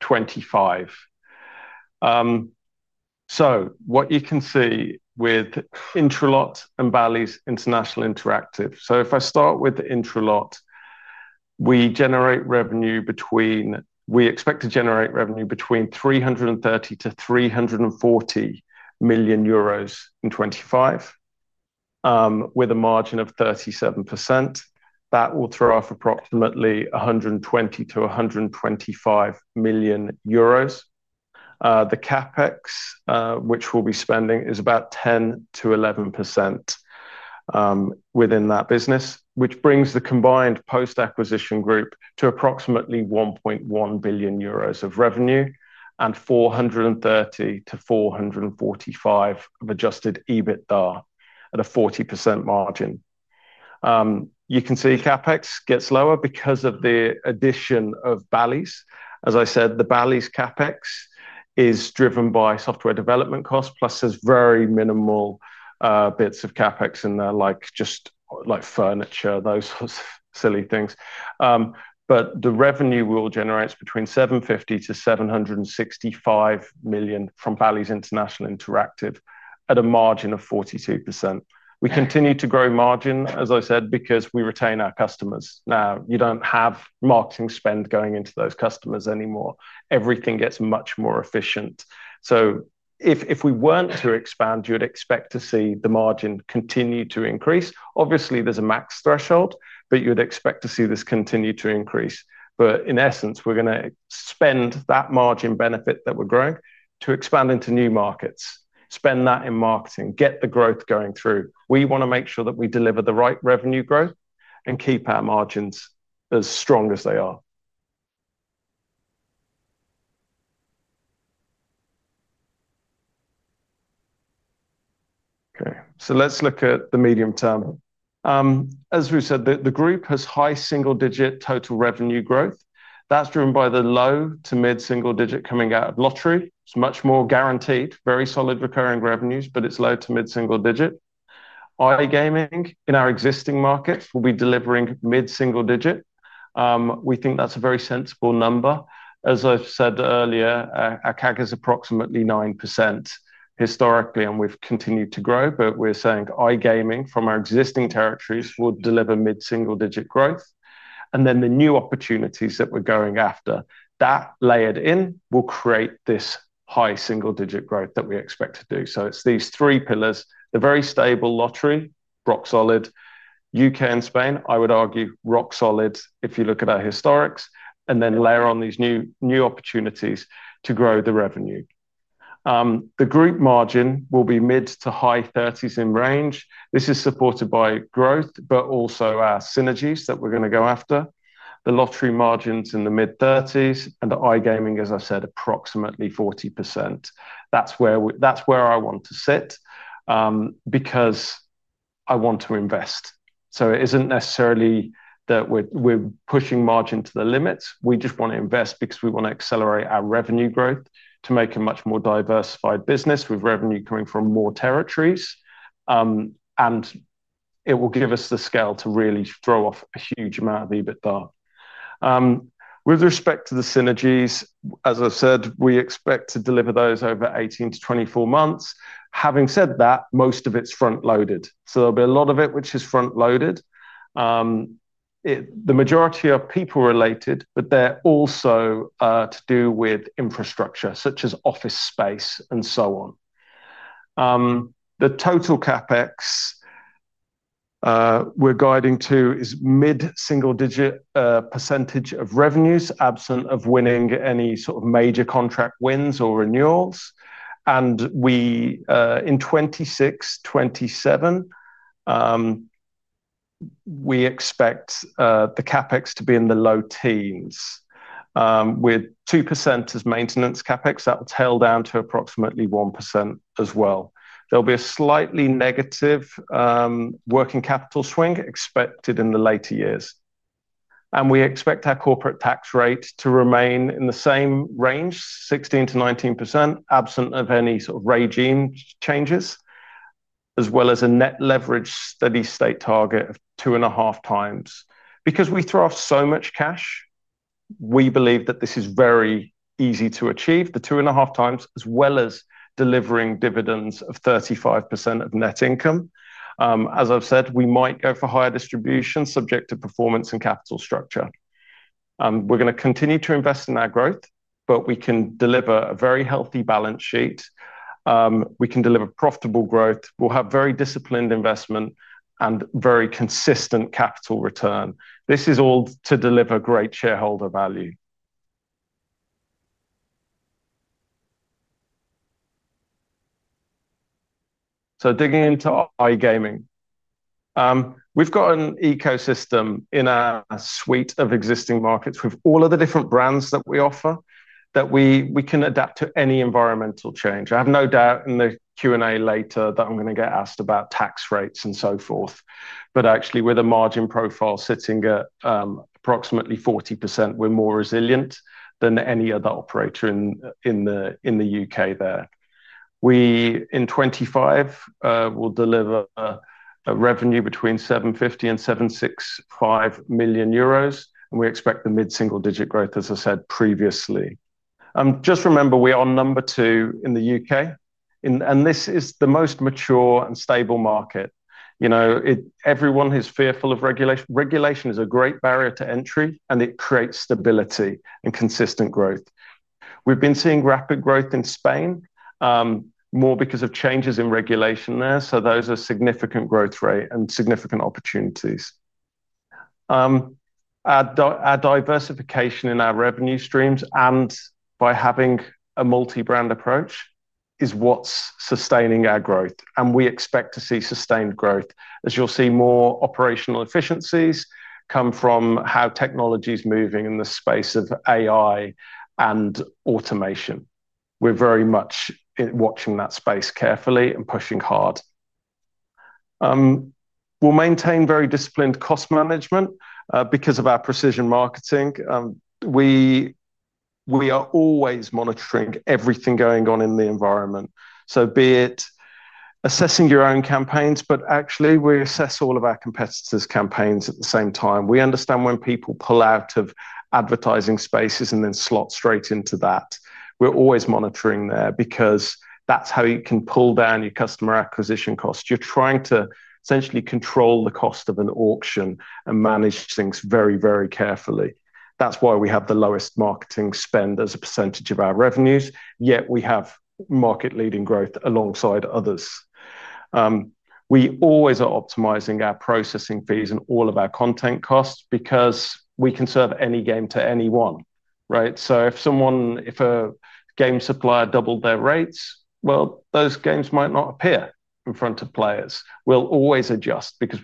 2025. What you can see with Intralot S.A. Integrated Lottery Systems and Services and Bally's International Interactive, if I start with Intralot S.A. Integrated Lottery Systems and Services, we expect to generate revenue between €330 million to €340 million in 2025 with a margin of 37%. That will throw off approximately €120 million to €125 million. The CAPEX, which we'll be spending, is about 10% to 11% within that business, which brings the combined post-acquisition group to approximately €1.1 billion of revenue and €430 million to €445 million of adjusted EBITDA at a 40% margin. You can see CAPEX gets lower because of the addition of Bally's. As I said, the Bally's CAPEX is driven by software development costs, plus there's very minimal bits of CAPEX in there, just like furniture, those sorts of silly things. The revenue we will generate is between €750 million to €765 million from Bally's International Interactive at a margin of 42%. We continue to grow margin, as I said, because we retain our customers. Now, you don't have marketing spend going into those customers anymore. Everything gets much more efficient. If we weren't to expand, you'd expect to see the margin continue to increase. Obviously, there's a max threshold, but you'd expect to see this continue to increase. In essence, we're going to spend that margin benefit that we're growing to expand into new markets, spend that in marketing, get the growth going through. We want to make sure that we deliver the right revenue growth and keep our margins as strong as they are. Let's look at the medium term. As we said, the group has high single-digit total revenue growth. That's driven by the low to mid-single digit coming out of lottery. It's much more guaranteed, very solid recurring revenues, but it's low to mid-single digit. iGaming in our existing markets will be delivering mid-single digit. We think that's a very sensible number. As I've said earlier, our CAGR is approximately 9% historically, and we've continued to grow, but we're saying iGaming from our existing territories will deliver mid-single digit growth. The new opportunities that we're going after, that layered in, will create this high single-digit growth that we expect to do. It's these three pillars: the very stable lottery, rock solid, UK and Spain, I would argue rock solid if you look at our historics, then layer on these new opportunities to grow the revenue. The group margin will be mid to high 30% in range. This is supported by growth, but also our synergies that we're going to go after. The lottery margins in the mid-30% and the iGaming, as I said, approximately 40%. That's where I want to sit because I want to invest. It isn't necessarily that we're pushing margin to the limits. We just want to invest because we want to accelerate our revenue growth to make a much more diversified business with revenue coming from more territories, and it will give us the scale to really throw off a huge amount of EBITDA. With respect to the synergies, as I've said, we expect to deliver those over 18 to 24 months. Having said that, most of it's front-loaded. There'll be a lot of it which is front-loaded. The majority are people-related, but they're also to do with infrastructure, such as office space and so on. The total CAPEX we're guiding to is mid-single-digit percentage of revenues, absent of winning any sort of major contract wins or renewals. In 2026-2027, we expect the CAPEX to be in the low teens, with 2% as maintenance CAPEX. That will tail down to approximately 1% as well. There'll be a slightly negative working capital swing expected in the later years. We expect our corporate tax rate to remain in the same range, 16% to 19%, absent of any sort of regime changes, as well as a net leverage steady state target of 2.5 times. Because we throw off so much cash, we believe that this is very easy to achieve, the 2.5 times, as well as delivering dividends of 35% of net income. As I've said, we might go for higher distributions, subject to performance and capital structure. We're going to continue to invest in our growth, but we can deliver a very healthy balance sheet. We can deliver profitable growth. We'll have very disciplined investment and very consistent capital return. This is all to deliver great shareholder value. Digging into iGaming, we've got an ecosystem in our suite of existing markets with all of the different brands that we offer that we can adapt to any environmental change. I have no doubt in the Q&A later that I'm going to get asked about tax rates and so forth. Actually, with a margin profile sitting at approximately 40%, we're more resilient than any other operator in the UK there. We, in 2025, will deliver a revenue between €750 million and €765 million, and we expect the mid-single digit growth, as I said previously. Just remember, we are number two in the UK, and this is the most mature and stable market. You know, everyone is fearful of regulation. Regulation is a great barrier to entry, and it creates stability and consistent growth. We've been seeing rapid growth in Spain, more because of changes in regulation there. Those are significant growth rates and significant opportunities. Our diversification in our revenue streams and by having a multi-brand approach is what's sustaining our growth, and we expect to see sustained growth. As you'll see, more operational efficiencies come from how technology is moving in the space of AI and automation. We're very much watching that space carefully and pushing hard. We'll maintain very disciplined cost management because of our precision marketing. We are always monitoring everything going on in the environment. Be it assessing your own campaigns, but actually, we assess all of our competitors' campaigns at the same time. We understand when people pull out of advertising spaces and then slot straight into that. We're always monitoring there because that's how you can pull down your customer acquisition costs. You're trying to essentially control the cost of an auction and manage things very, very carefully. That's why we have the lowest marketing spend as a percentage of our revenues, yet we have market-leading growth alongside others. We always are optimizing our processing fees and all of our content costs because we can serve any game to anyone. If a game supplier doubled their rates, well, those games might not appear in front of players. We'll always adjust because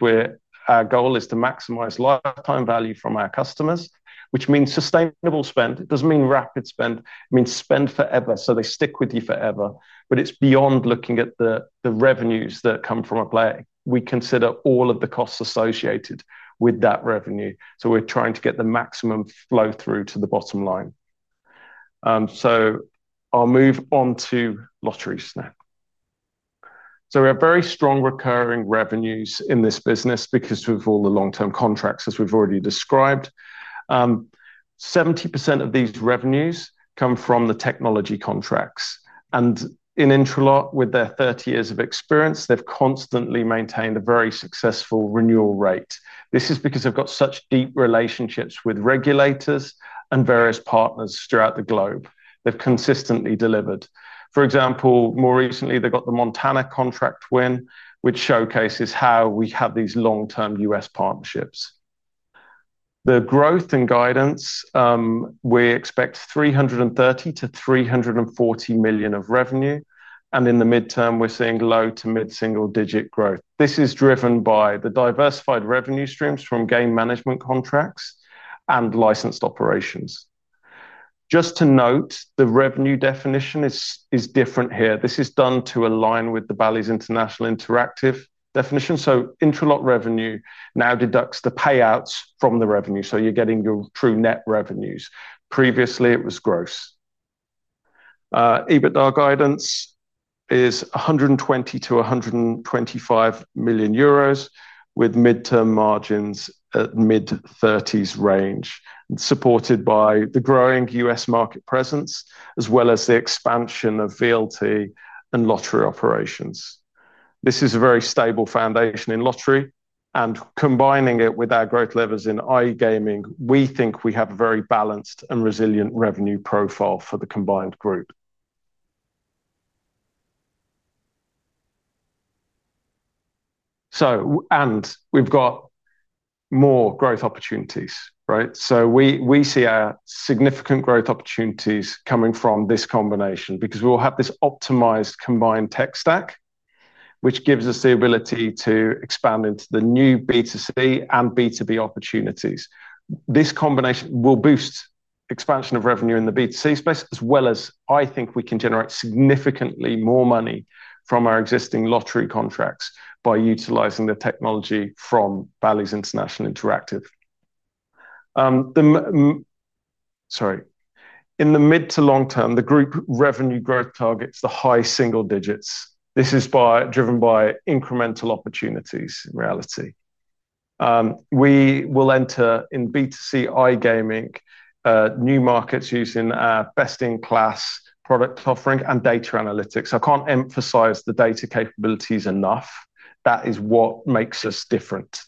our goal is to maximize lifetime value from our customers, which means sustainable spend. It doesn't mean rapid spend. It means spend forever so they stick with you forever. It's beyond looking at the revenues that come from a player. We consider all of the costs associated with that revenue. We're trying to get the maximum flow through to the bottom line. I'll move on to lotteries now. We have very strong recurring revenues in this business because of all the long-term contracts as well. Already described, 70% of these revenues come from the technology contracts. In Intralot S.A. Integrated Lottery Systems and Services, with their 30 years of experience, they've constantly maintained a very successful renewal rate. This is because they've got such deep relationships with regulators and various partners throughout the globe. They've consistently delivered. For example, more recently, they got the Montana contract win, which showcases how we have these long-term U.S. partnerships. The growth in guidance, we expect €330 to €340 million of revenue. In the midterm, we're seeing low to mid-single-digit growth. This is driven by the diversified revenue streams from game management contracts and licensed operations. Just to note, the revenue definition is different here. This is done to align with the Bally's International Interactive definition. So Intralot S.A. Integrated Lottery Systems and Services revenue now deducts the payouts from the revenue. You're getting your true net revenues. Previously, it was gross. EBITDA guidance is €120 to €125 million, with mid-term margins at the mid-30% range, supported by the growing U.S. market presence, as well as the expansion of VLT monitoring and lottery operations. This is a very stable foundation in lottery. Combining it with our growth levers in iGaming, we think we have a very balanced and resilient revenue profile for the combined group. We have more growth opportunities, right? We see significant growth opportunities coming from this combination because we will have this optimized combined tech stack, which gives us the ability to expand into the new B2C and B2B opportunities. This combination will boost expansion of revenue in the B2C space, as well as I think we can generate significantly more money from our existing lottery contracts by utilizing the technology from Bally's International Interactive. In the mid to long term, the group revenue growth targets the high single digits. This is driven by incremental opportunities in reality. We will enter in B2C iGaming, new markets using our best-in-class product offering and data analytics. I can't emphasize the data capabilities enough. That is what makes us different.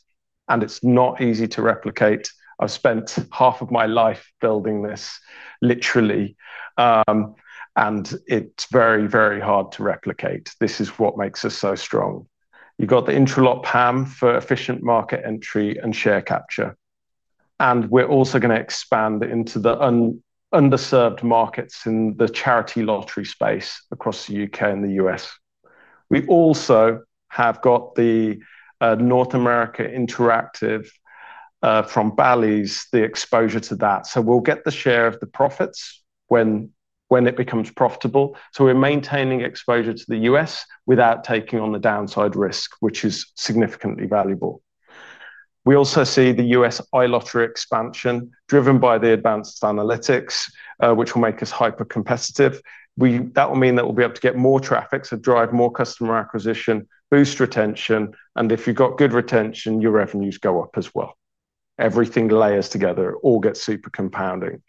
It's not easy to replicate. I've spent half of my life building this, literally. It's very, very hard to replicate. This is what makes us so strong. You've got the Intralot PAM for efficient market entry and share capture. We are also going to expand into the underserved markets in the charity lottery space across the UK and the U.S. We also have the North America Interactive from Bally's, the exposure to that. We will get the share of the profits when it becomes profitable. We are maintaining exposure to the U.S. without taking on the downside risk, which is significantly valuable. We also see the U.S. iLottery expansion driven by the advanced analytics, which will make us hyper-competitive. That will mean that we will be able to get more traffic, drive more customer acquisition, and boost retention. If you have good retention, your revenues go up as well. Everything layers together. It all gets super compounding.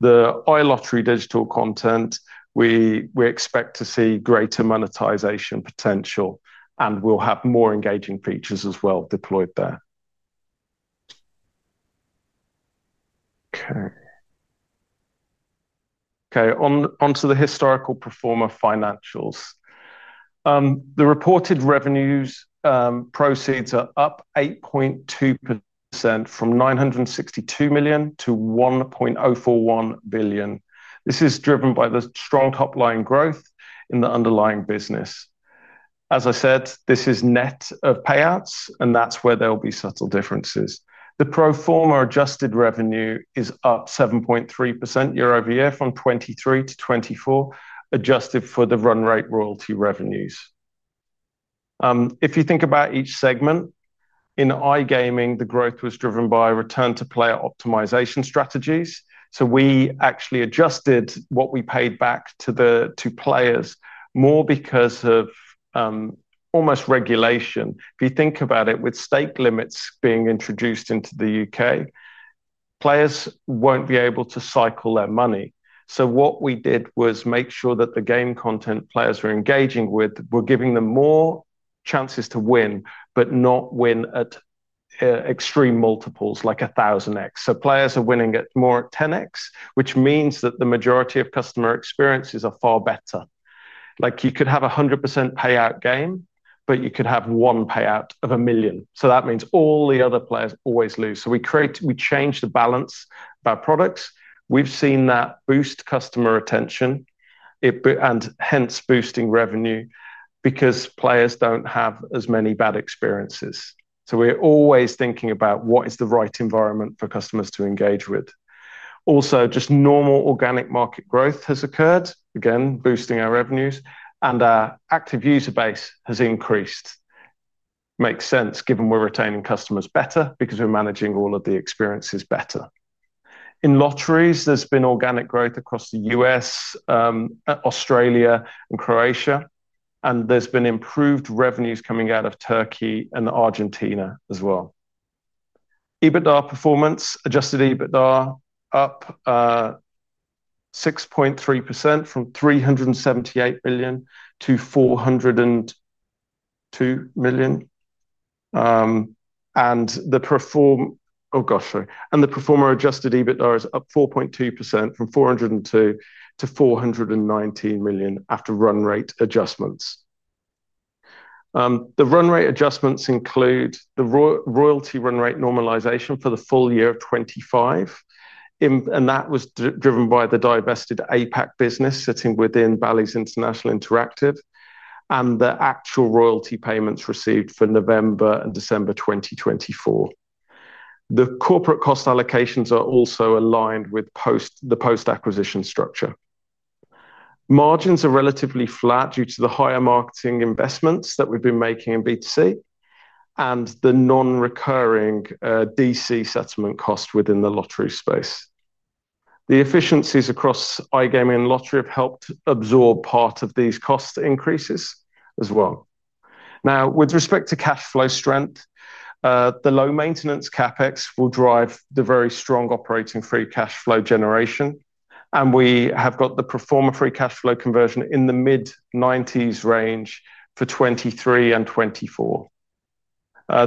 The iLottery digital content, we expect to see greater monetization potential. We will have more engaging features as well deployed there. On to the historical performer financials. The reported revenues proceeds are up 8.2% from $962 million to $1.041 billion. This is driven by the strong top-line growth in the underlying business. As I said, this is net of payouts, and that is where there will be subtle differences. The pro forma adjusted revenue is up 7.3% year over year from $23 million to $24 million, adjusted for the run rate royalty revenues. If you think about each segment, in iGaming, the growth was driven by return-to-player optimization strategies. We actually adjusted what we paid back to players more because of almost regulation. With stake limits being introduced into the UK, players will not be able to cycle their money. What we did was make sure that the game content players were engaging with, we are giving them more chances to win, but not win at extreme multiples like 1,000x. Players are winning more at 10x, which means that the majority of customer experiences are far better. You could have a 100% payout game, but you could have one payout of a million. That means all the other players always lose. We changed the balance of our products. We have seen that boost customer retention, and hence boosting revenue because players do not have as many bad experiences. We are always thinking about what is the right environment for customers to engage with. Also, just normal organic market growth has occurred, again boosting our revenues. Our active user base has increased. It makes sense given we are retaining customers better because we are managing all of the experiences better. In lotteries, there's been organic growth across the U.S., Australia, and Croatia. There's been improved revenues coming out of Turkey and Argentina as well. EBITDA performance, adjusted EBITDA up 6.3% from $378 million to $402 million. The pro forma adjusted EBITDA is up 4.2% from $402 million to $419 million after run rate adjustments. The run rate adjustments include the royalty run rate normalization for the full year of 2025. That was driven by the divested APAC business sitting within Bally's International Interactive and the actual royalty payments received for November and December 2024. The corporate cost allocations are also aligned with the post-acquisition structure. Margins are relatively flat due to the higher marketing investments that we've been making in B2C and the non-recurring DC settlement costs within the lottery space. The efficiencies across iGaming and lottery have helped absorb part of these cost increases as well. Now, with respect to cash flow strength, the low maintenance CAPEX will drive the very strong operating free cash flow generation. We have got the pro forma free cash flow conversion in the mid-90% range for 2023 and 2024.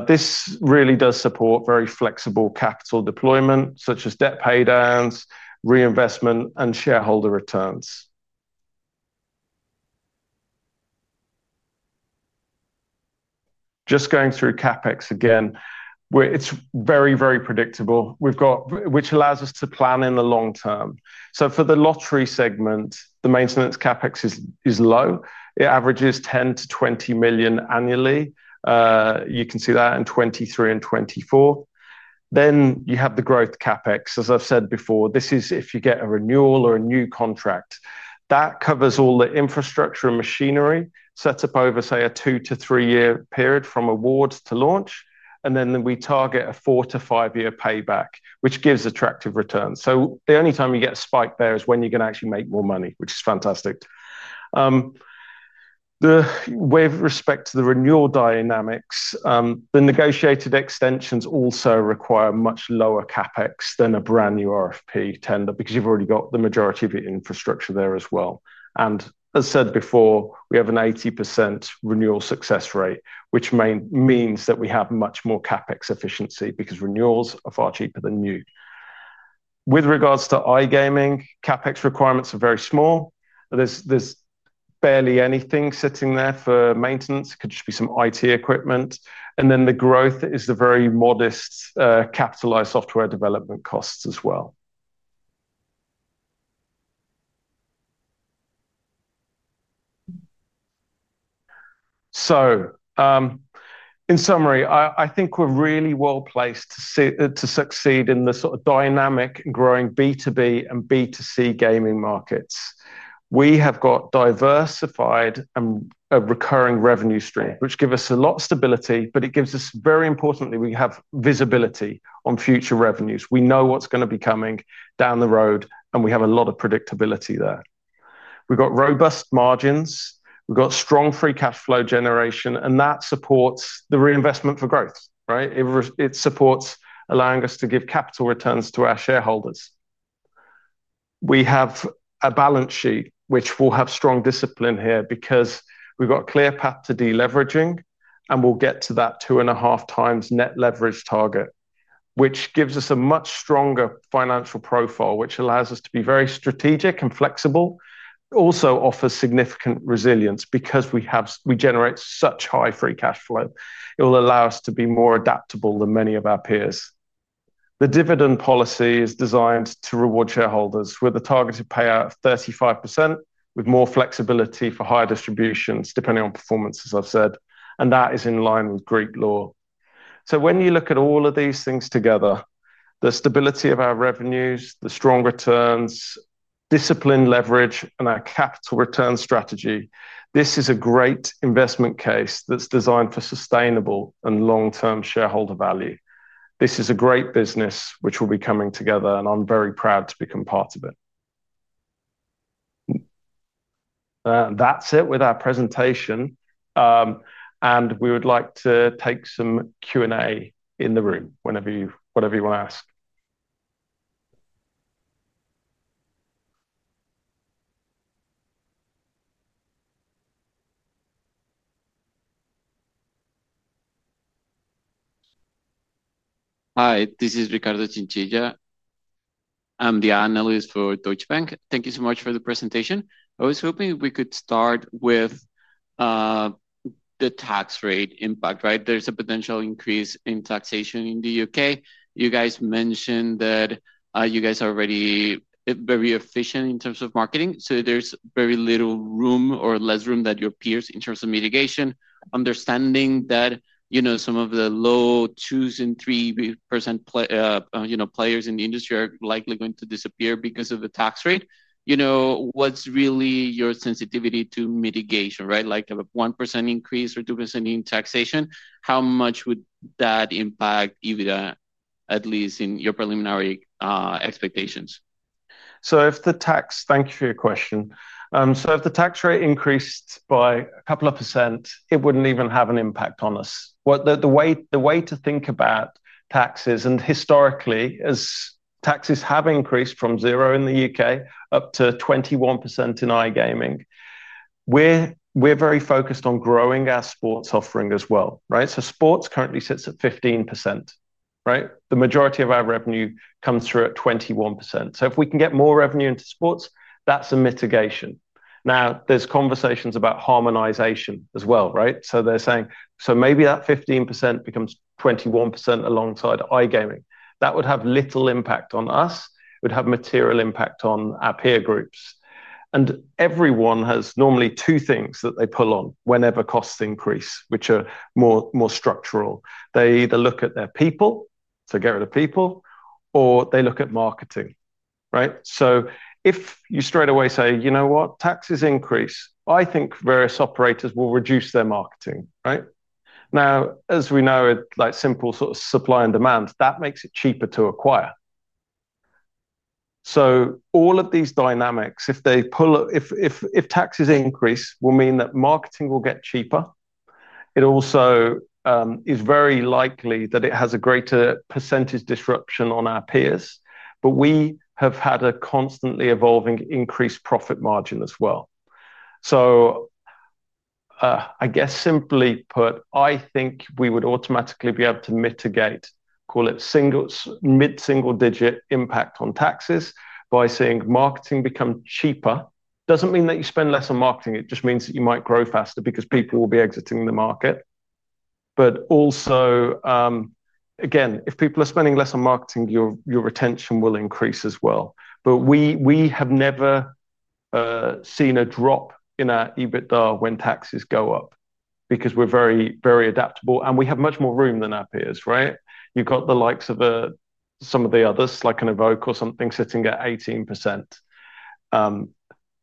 This really does support very flexible capital deployment, such as debt paydowns, reinvestment, and shareholder returns. Just going through CAPEX again, it's very, very predictable, which allows us to plan in the long term. For the lottery segment, the maintenance CAPEX is low. It averages $10 million to $20 million annually. You can see that in 2023 and 2024. You have the growth CAPEX. As I've said before, this is if you get a renewal or a new contract. That covers all the infrastructure and machinery set up over, say, a two to three-year period from awards to launch. We target a four to five-year payback, which gives attractive returns. The only time you get a spike there is when you can actually make more money, which is fantastic. With respect to the renewal dynamics, the negotiated extensions also require much lower CAPEX than a brand new RFP tender because you've already got the majority of the infrastructure there as well. As said before, we have an 80% renewal success rate, which means that we have much more CAPEX efficiency because renewals are far cheaper than new. With regards to iGaming, CAPEX requirements are very small. There's barely anything sitting there for maintenance. It could just be some IT equipment. The growth is the very modest capitalized software development costs as well. In summary, I think we're really well placed to succeed in the dynamic and growing B2B and B2C gaming markets. We have got diversified and recurring revenue streams, which give us a lot of stability. It gives us, very importantly, visibility on future revenues. We know what's going to be coming down the road, and we have a lot of predictability there. We've got robust margins, we've got strong free cash flow generation, and that supports the reinvestment for growth, right? It supports allowing us to give capital returns to our shareholders. We have a balance sheet, which will have strong discipline here because we've got a clear path to deleveraging. We'll get to that 2.5 times net leverage target, which gives us a much stronger financial profile, which allows us to be very strategic and flexible, and also offers significant resilience because we generate such high free cash flow. It will allow us to be more adaptable than many of our peers. The dividend policy is designed to reward shareholders with a targeted payout of 35%, with more flexibility for higher distributions depending on performance, as I've said. That is in line with Greek law. When you look at all of these things together, the stability of our revenues, the strong returns, discipline leverage, and our capital return strategy, this is a great investment case that's designed for sustainable and long-term shareholder value. This is a great business which will be coming together, and I'm very proud to become part of it. That's it with our presentation. We would like to take some Q&A in the room whenever you want to ask. Hi, this is Ricardo Tintilla. I'm the analyst for Deutsche Bank. Thank you so much for the presentation. I was hoping we could start with the tax rate impact, right? There's a potential increase in taxation in the UK. You guys mentioned that you guys are already very efficient in terms of marketing. There's very little room or less room than your peers in terms of mitigation, understanding that some of the low 2% and 3% players in the industry are likely going to disappear because of the tax rate. What's really your sensitivity to mitigation, right? Like a 1% increase or 2% in taxation, how much would that impact EBITDA, at least in your preliminary expectations? Thank you for your question. If the tax rate increased by a couple of %, it wouldn't even have an impact on us. The way to think about taxes, and historically, as taxes have increased from 0% in the UK up to 21% in iGaming, we're very focused on growing our sports offering as well, right? Sports currently sits at 15%. The majority of our revenue comes through at 21%. If we can get more revenue into sports, that's a mitigation. There are conversations about harmonization as well, right? They're saying maybe that 15% becomes 21% alongside iGaming. That would have little impact on us. It would have material impact on our peer groups. Everyone has normally two things that they pull on whenever costs increase, which are more structural. They either look at their people, so get rid of people, or they look at marketing, right? If you straight away say, you know what, taxes increase, I think various operators will reduce their marketing, right? As we know, like simple sort of supply and demand, that makes it cheaper to acquire. All of these dynamics, if taxes increase, will mean that marketing will get cheaper. It also is very likely that it has a greater percentage disruption on our peers. We have had a constantly evolving increased profit margin as well. Simply put, I think we would automatically be able to mitigate, call it mid-single-digit impact on taxes by seeing marketing become cheaper. It doesn't mean that you spend less on marketing. It just means that you might grow faster because people will be exiting the market. Also, again, if people are spending less on marketing, your retention will increase as well. We have never seen a drop in our EBITDA when taxes go up because we're very, very adaptable. We have much more room than our peers, right? You've got the likes of some of the others, like an Evoke or something sitting at 18%.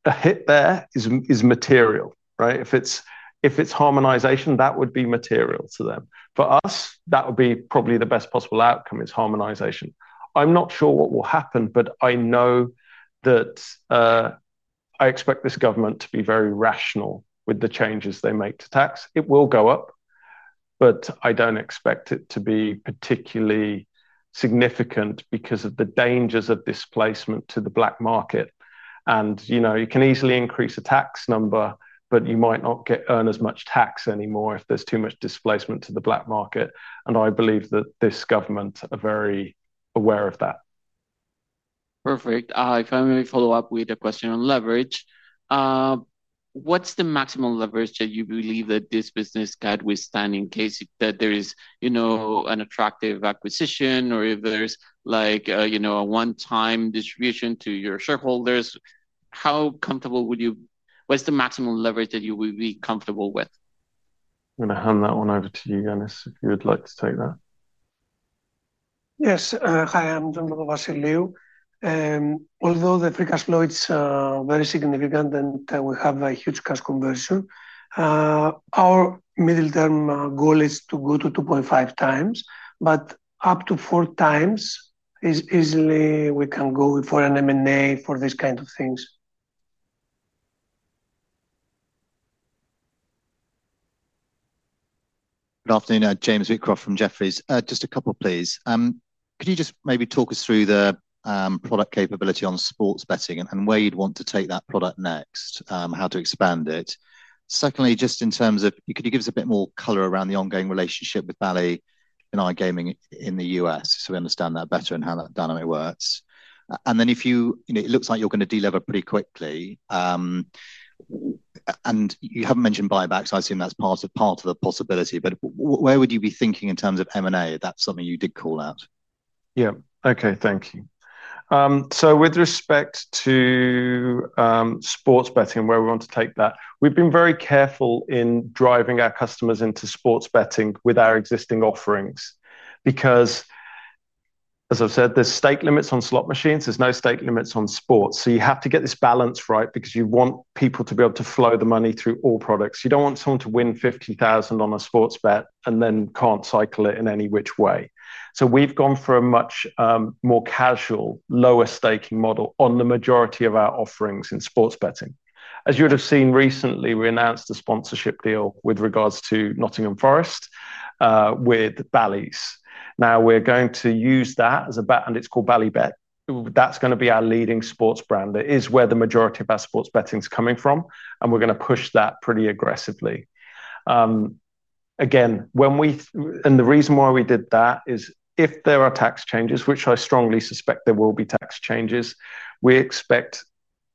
The hit there is material, right? If it's harmonization, that would be material to them. For us, that would be probably the best possible outcome. It's harmonization. I'm not sure what will happen. I know that I expect this government to be very rational with the changes they make to tax. It will go up. I don't expect it to be particularly significant because of the dangers of displacement to the black market. You can easily increase the tax number, but you might not earn as much tax anymore if there's too much displacement to the black market. I believe that this government is very aware of that. Perfect. If I may follow up with a question on leverage, what's the maximum leverage that you believe that this business could withstand in case there is an attractive acquisition or if there's a one-time distribution to your shareholders? How comfortable would you, what's the maximum leverage that you would be comfortable with? I'm going to hand that one over to you, Yanis, if you would like to take that. Yes, hi, I'm the one who was in lieu. Although the free cash flow is very significant and we have a huge cash conversion, our middle-term goal is to go to 2.5 times. Up to 4 times is easily we can go for an M&A for these kinds of things. Good afternoon. James Wycroft from Jefferies. Just a couple, please. Could you just maybe talk us through the product capability on sports betting and where you'd want to take that product next, how to expand it? Secondly, just in terms of, could you give us a bit more color around the ongoing relationship with Bally's and iGaming in the U.S. so we understand that better and how that dynamic works? It looks like you're going to deliver pretty quickly. You haven't mentioned buybacks. I assume that's part of the possibility. Where would you be thinking in terms of M&A if that's something you did call out? Thank you. With respect to sports betting, where we want to take that, we've been very careful in driving our customers into sports betting with our existing offerings because, as I've said, there are stake limits on slot machines. There are no stake limits on sports. You have to get this balance right because you want people to be able to flow the money through all products. You don't want someone to win $50,000 on a sports bet and then can't cycle it in any which way. We've gone for a much more casual, lower staking model on the majority of our offerings in sports betting. As you would have seen recently, we announced a sponsorship deal with regards to Nottingham Forest with Bally's. We're going to use that as a bet, and it's called Bally Bet. That's going to be our leading sports brand. It is where the majority of our sports betting is coming from, and we're going to push that pretty aggressively. The reason why we did that is if there are tax changes, which I strongly suspect there will be tax changes, we expect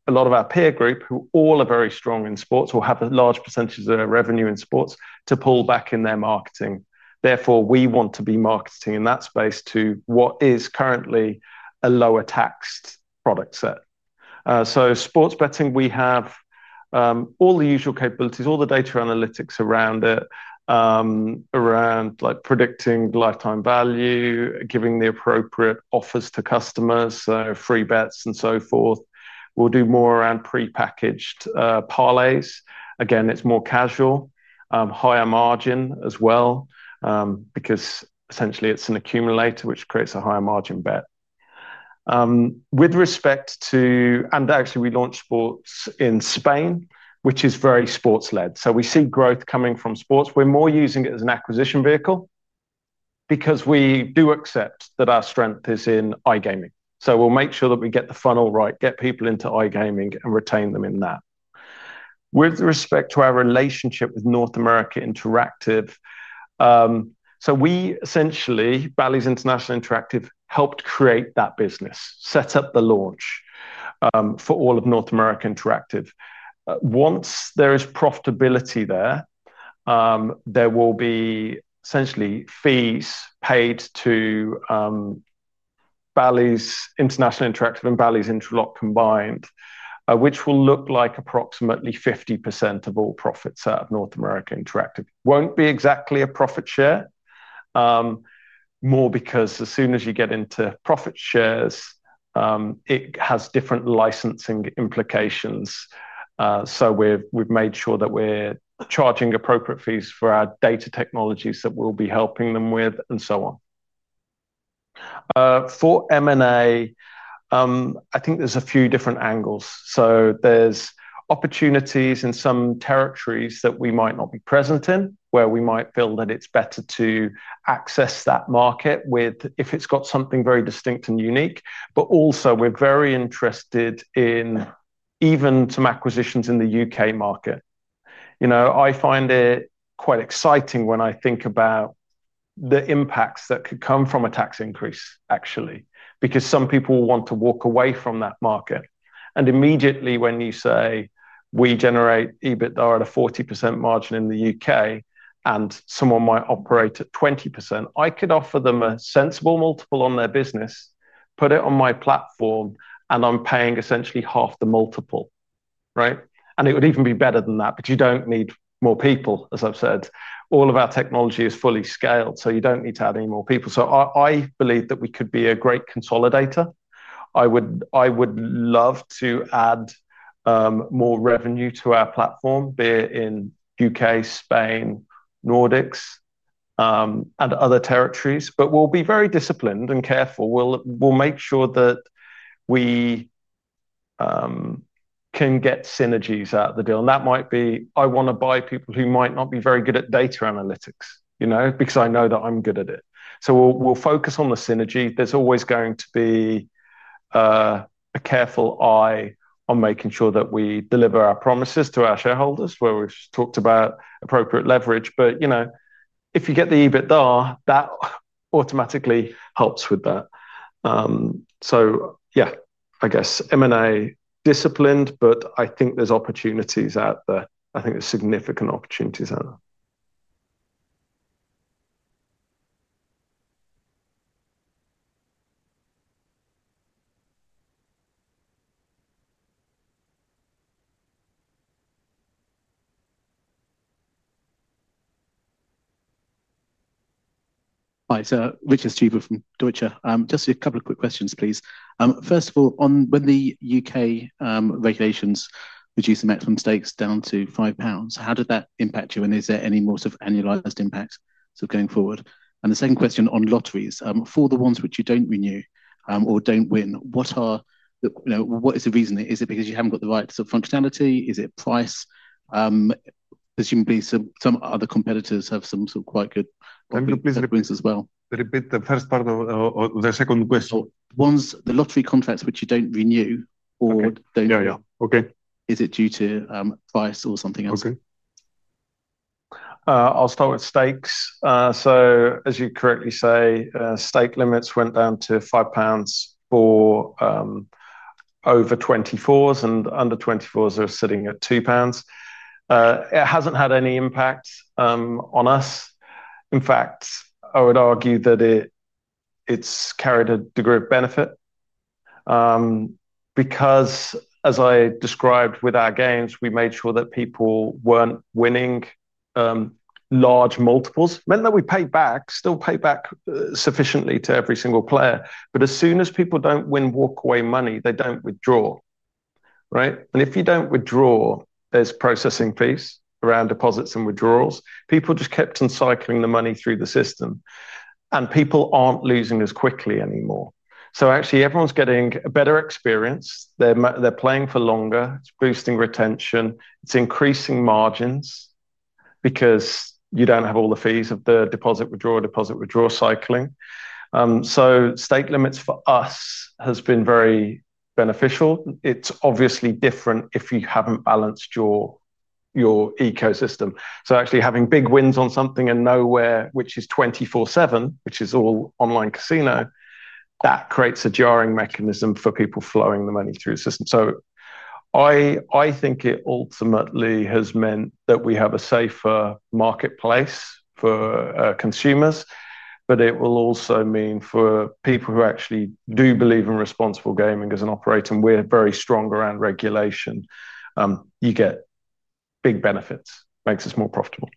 a lot of our peer group, who all are very strong in sports or have a large percentage of their revenue in sports, to pull back in their marketing. Therefore, we want to be marketing in that space to what is currently a lower tax product set. Sports betting, we have all the usual capabilities, all the data analytics around it, around predicting lifetime value, giving the appropriate offers to customers, free bets, and so forth. We'll do more around prepackaged parlays. It's more casual, higher margin as well because essentially, it's an accumulator, which creates a higher margin bet. We launched sports in Spain, which is very sports-led. We see growth coming from sports. We're more using it as an acquisition vehicle because we do accept that our strength is in iGaming. We'll make sure that we get the funnel right, get people into iGaming, and retain them in that. With respect to our relationship with North America Interactive, Bally's International Interactive helped create that business, set up the launch for all of North America Interactive. Once there is profitability there, there will be fees paid to Bally's International Interactive and Bally's Intralot combined, which will look like approximately 50% of all profits out of North America Interactive. It won't be exactly a profit share, more because as soon as you get into profit shares, it has different licensing implications. We have made sure that we're charging appropriate fees for our data technologies that we'll be helping them with and so on. For M&A, I think there's a few different angles. There are opportunities in some territories that we might not be present in, where we might feel that it's better to access that market if it's got something very distinct and unique. We are very interested in even some acquisitions in the UK market. I find it quite exciting when I think about the impacts that could come from a tax increase, actually, because some people will want to walk away from that market. Immediately, when you say we generate EBITDA at a 40% margin in the UK and someone might operate at 20%, I could offer them a sensible multiple on their business, put it on my platform, and I'm paying essentially half the multiple, right? It would even be better than that. You don't need more people, as I've said. All of our technology is fully scaled. You don't need to add any more people. I believe that we could be a great consolidator. I would love to add more revenue to our platform, be it in the UK, Spain, Nordics, and other territories. We will be very disciplined and careful. We will make sure that we can get synergies out of the deal. That might be, I want to buy people who might not be very good at data analytics because I know that I'm good at it. We will focus on the synergy. There is always going to be a careful eye on making sure that we deliver our promises to our shareholders, where we've talked about appropriate leverage. If you get the EBITDA, that automatically helps with that. M&A, disciplined. I think there's opportunities out there. I think there's significant opportunities out there. Hi, Richard Stevens from Deutsche. Just a couple of quick questions, please. First of all, when the UK regulations reduce the maximum stakes down to £5, how did that impact you? Is there any more sort of annualized impact going forward? The second question on lotteries. For the ones which you don't renew or don't win, what is the reason? Is it because you haven't got the right sort of functionality? Is it price? Presumably, some other competitors have some quite good offerings as well. Could you repeat the first part of the second question? Once the lottery contracts which you don't renew or don't. Yeah, OK. Is it due to price or something else? OK. I'll start with stakes. As you correctly say, stake limits went down to £5 for over 24s, and under 24s, they're sitting at £2. It hasn't had any impact on us. In fact, I would argue that it's carried a degree of benefit because, as I described with our games, we made sure that people weren't winning large multiples. It meant that we still paid back sufficiently to every single player. As soon as people don't win walk-away money, they don't withdraw, right? If you don't withdraw, there's processing fees around deposits and withdrawals. People just kept on cycling the money through the system, and people aren't losing as quickly anymore. Actually, everyone's getting a better experience. They're playing for longer. It's boosting retention. It's increasing margins because you don't have all the fees of the deposit withdrawal, deposit withdrawal cycling. Stake limits for us have been very beneficial. It's obviously different if you haven't balanced your ecosystem. Actually, having big wins on something and nowhere, which is 24/7, which is all online casino, that creates a jarring mechanism for people flowing the money through the system. I think it ultimately has meant that we have a safer marketplace for consumers. It will also mean for people who actually do believe in responsible gaming as an operator, and we're very strong around regulation, you get big benefits. It makes us more profitable.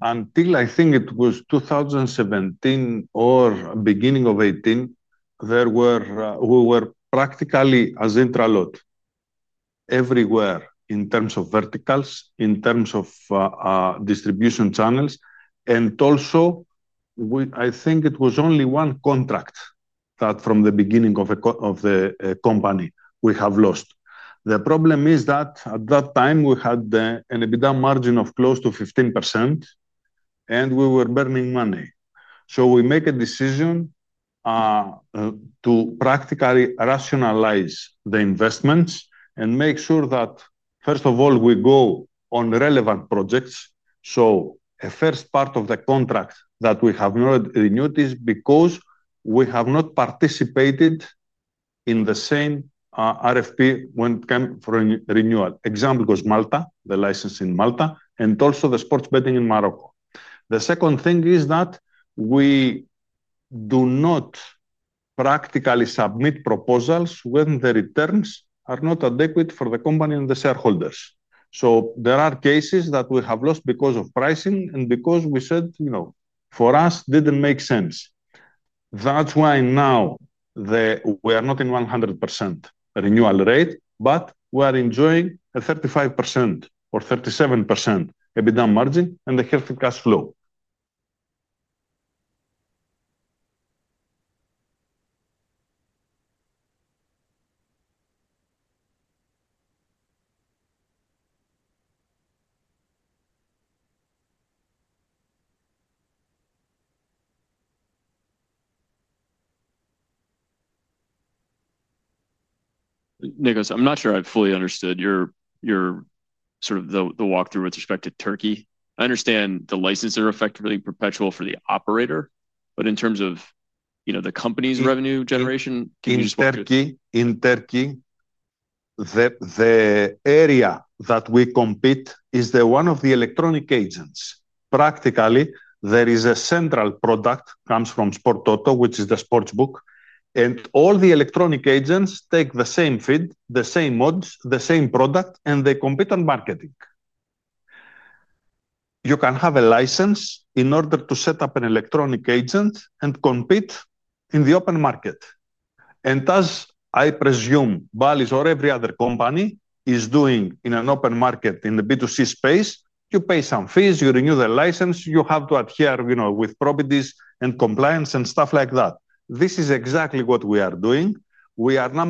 Until, I think it was 2017 or the beginning of 2018, we were practically as Intralot everywhere in terms of verticals, in terms of distribution channels. I think it was only one contract that from the beginning of the company we have lost. The problem is that at that time, we had an EBITDA margin of close to 15%. We were burning money. We make a decision to practically rationalize the investments and make sure that, first of all, we go on relevant projects. A first part of the contract that we have not renewed is because we have not participated in the same RFP when it came for renewal. Example was Malta, the license in Malta, and also the sports betting in Morocco. The second thing is that we do not practically submit proposals when the returns are not adequate for the company and the shareholders. There are cases that we have lost because of pricing and because we said, you know, for us, it didn't make sense. That is why now we are not in 100% renewal rate. We are enjoying a 35% or 37% EBITDA margin and a healthy cash flow. Nicholas, I'm not sure I fully understood your sort of walkthrough with respect to Turkey. I understand the licenses are effectively perpetual for the operator, but in terms of the company's revenue generation, can you share? In Turkey, the area that we compete is the one of the electronic agents. Practically, there is a central product that comes from Sport Auto, which is the sportsbook. All the electronic agents take the same feed, the same odds, the same product, and they compete on marketing. You can have a license in order to set up an electronic agent and compete in the open market. As I presume Bally's or every other company is doing in an open market in the B2C space, you pay some fees. You renew the license. You have to adhere, you know, with properties and compliance and stuff like that. This is exactly what we are doing. We are now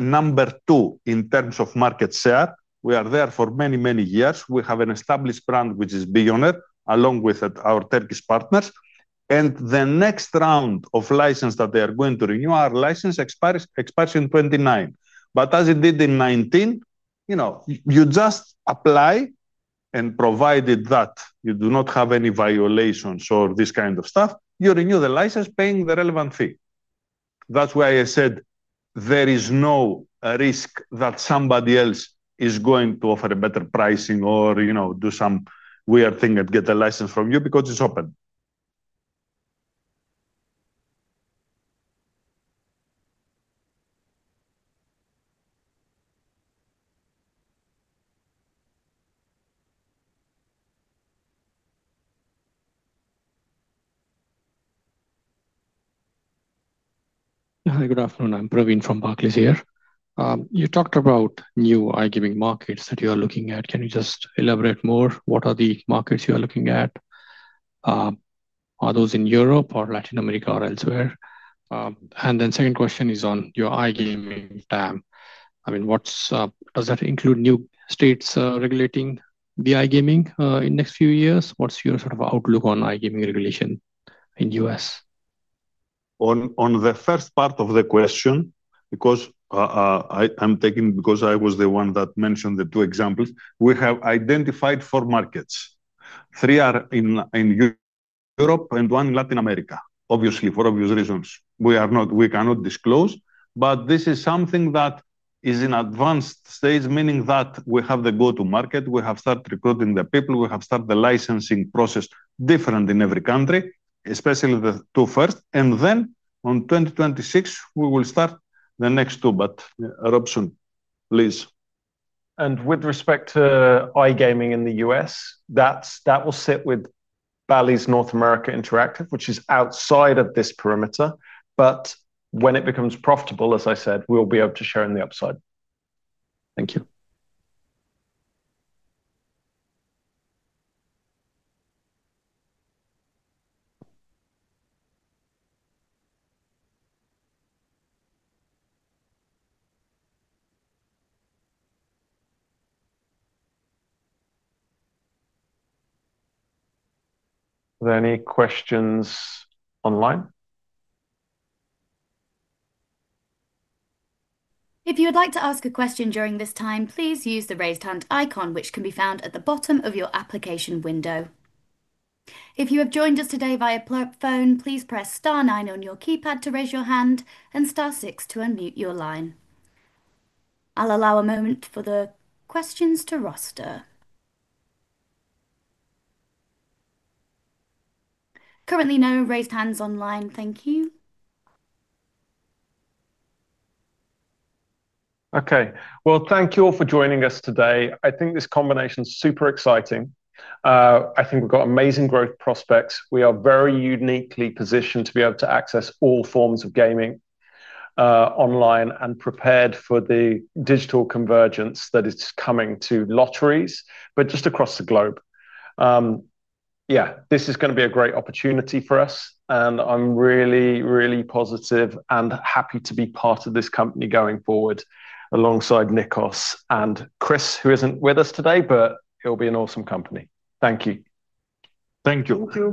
number two in terms of market share. We are there for many, many years. We have an established brand, which is Beyond It, along with our Turkish partners. The next round of license that they are going to renew, our license expires in 2029. As it did in 2019, you just apply and provided that you do not have any violations or this kind of stuff, you renew the license, paying the relevant fee. That is why I said there is no risk that somebody else is going to offer a better pricing or, you know, do some weird thing and get a license from you because it is open. Hi, good afternoon. I'm Praveen from Buckley's here. You talked about new iGaming markets that you are looking at. Can you just elaborate more? What are the markets you are looking at? Are those in Europe or Latin America or elsewhere? The second question is on your iGaming PAM. Does that include new states regulating the iGaming in the next few years? What's your sort of outlook on iGaming regulation in the U.S.? On the first part of the question, because I'm taking because I was the one that mentioned the two examples, we have identified four markets. Three are in Europe and one in Latin America, obviously, for obvious reasons. We cannot disclose. This is something that is in advanced stage, meaning that we have the go-to market. We have started recruiting the people. We have started the licensing process, different in every country, especially the two first. In 2026, we will start the next two. Robson, please. With respect to iGaming in the U.S., that will sit with Bally's North America Interactive, which is outside of this perimeter. When it becomes profitable, as I said, we'll be able to share in the upside. Thank you. Are there any questions online? If you would like to ask a question during this time, please use the raised hand icon, which can be found at the bottom of your application window. If you have joined us today via phone, please press star nine on your keypad to raise your hand and star six to unmute your line. I'll allow a moment for the questions to roster. Currently, no raised hands online. Thank you. Thank you all for joining us today. I think this combination is super exciting. I think we've got amazing growth prospects. We are very uniquely positioned to be able to access all forms of gaming online and prepared for the digital convergence that is coming to lotteries, but just across the globe. This is going to be a great opportunity for us. I'm really, really positive and happy to be part of this company going forward alongside Nikolaos Nikolakopoulos and Andreas Chrysos, who isn't with us today. It'll be an awesome company. Thank you. Thank you.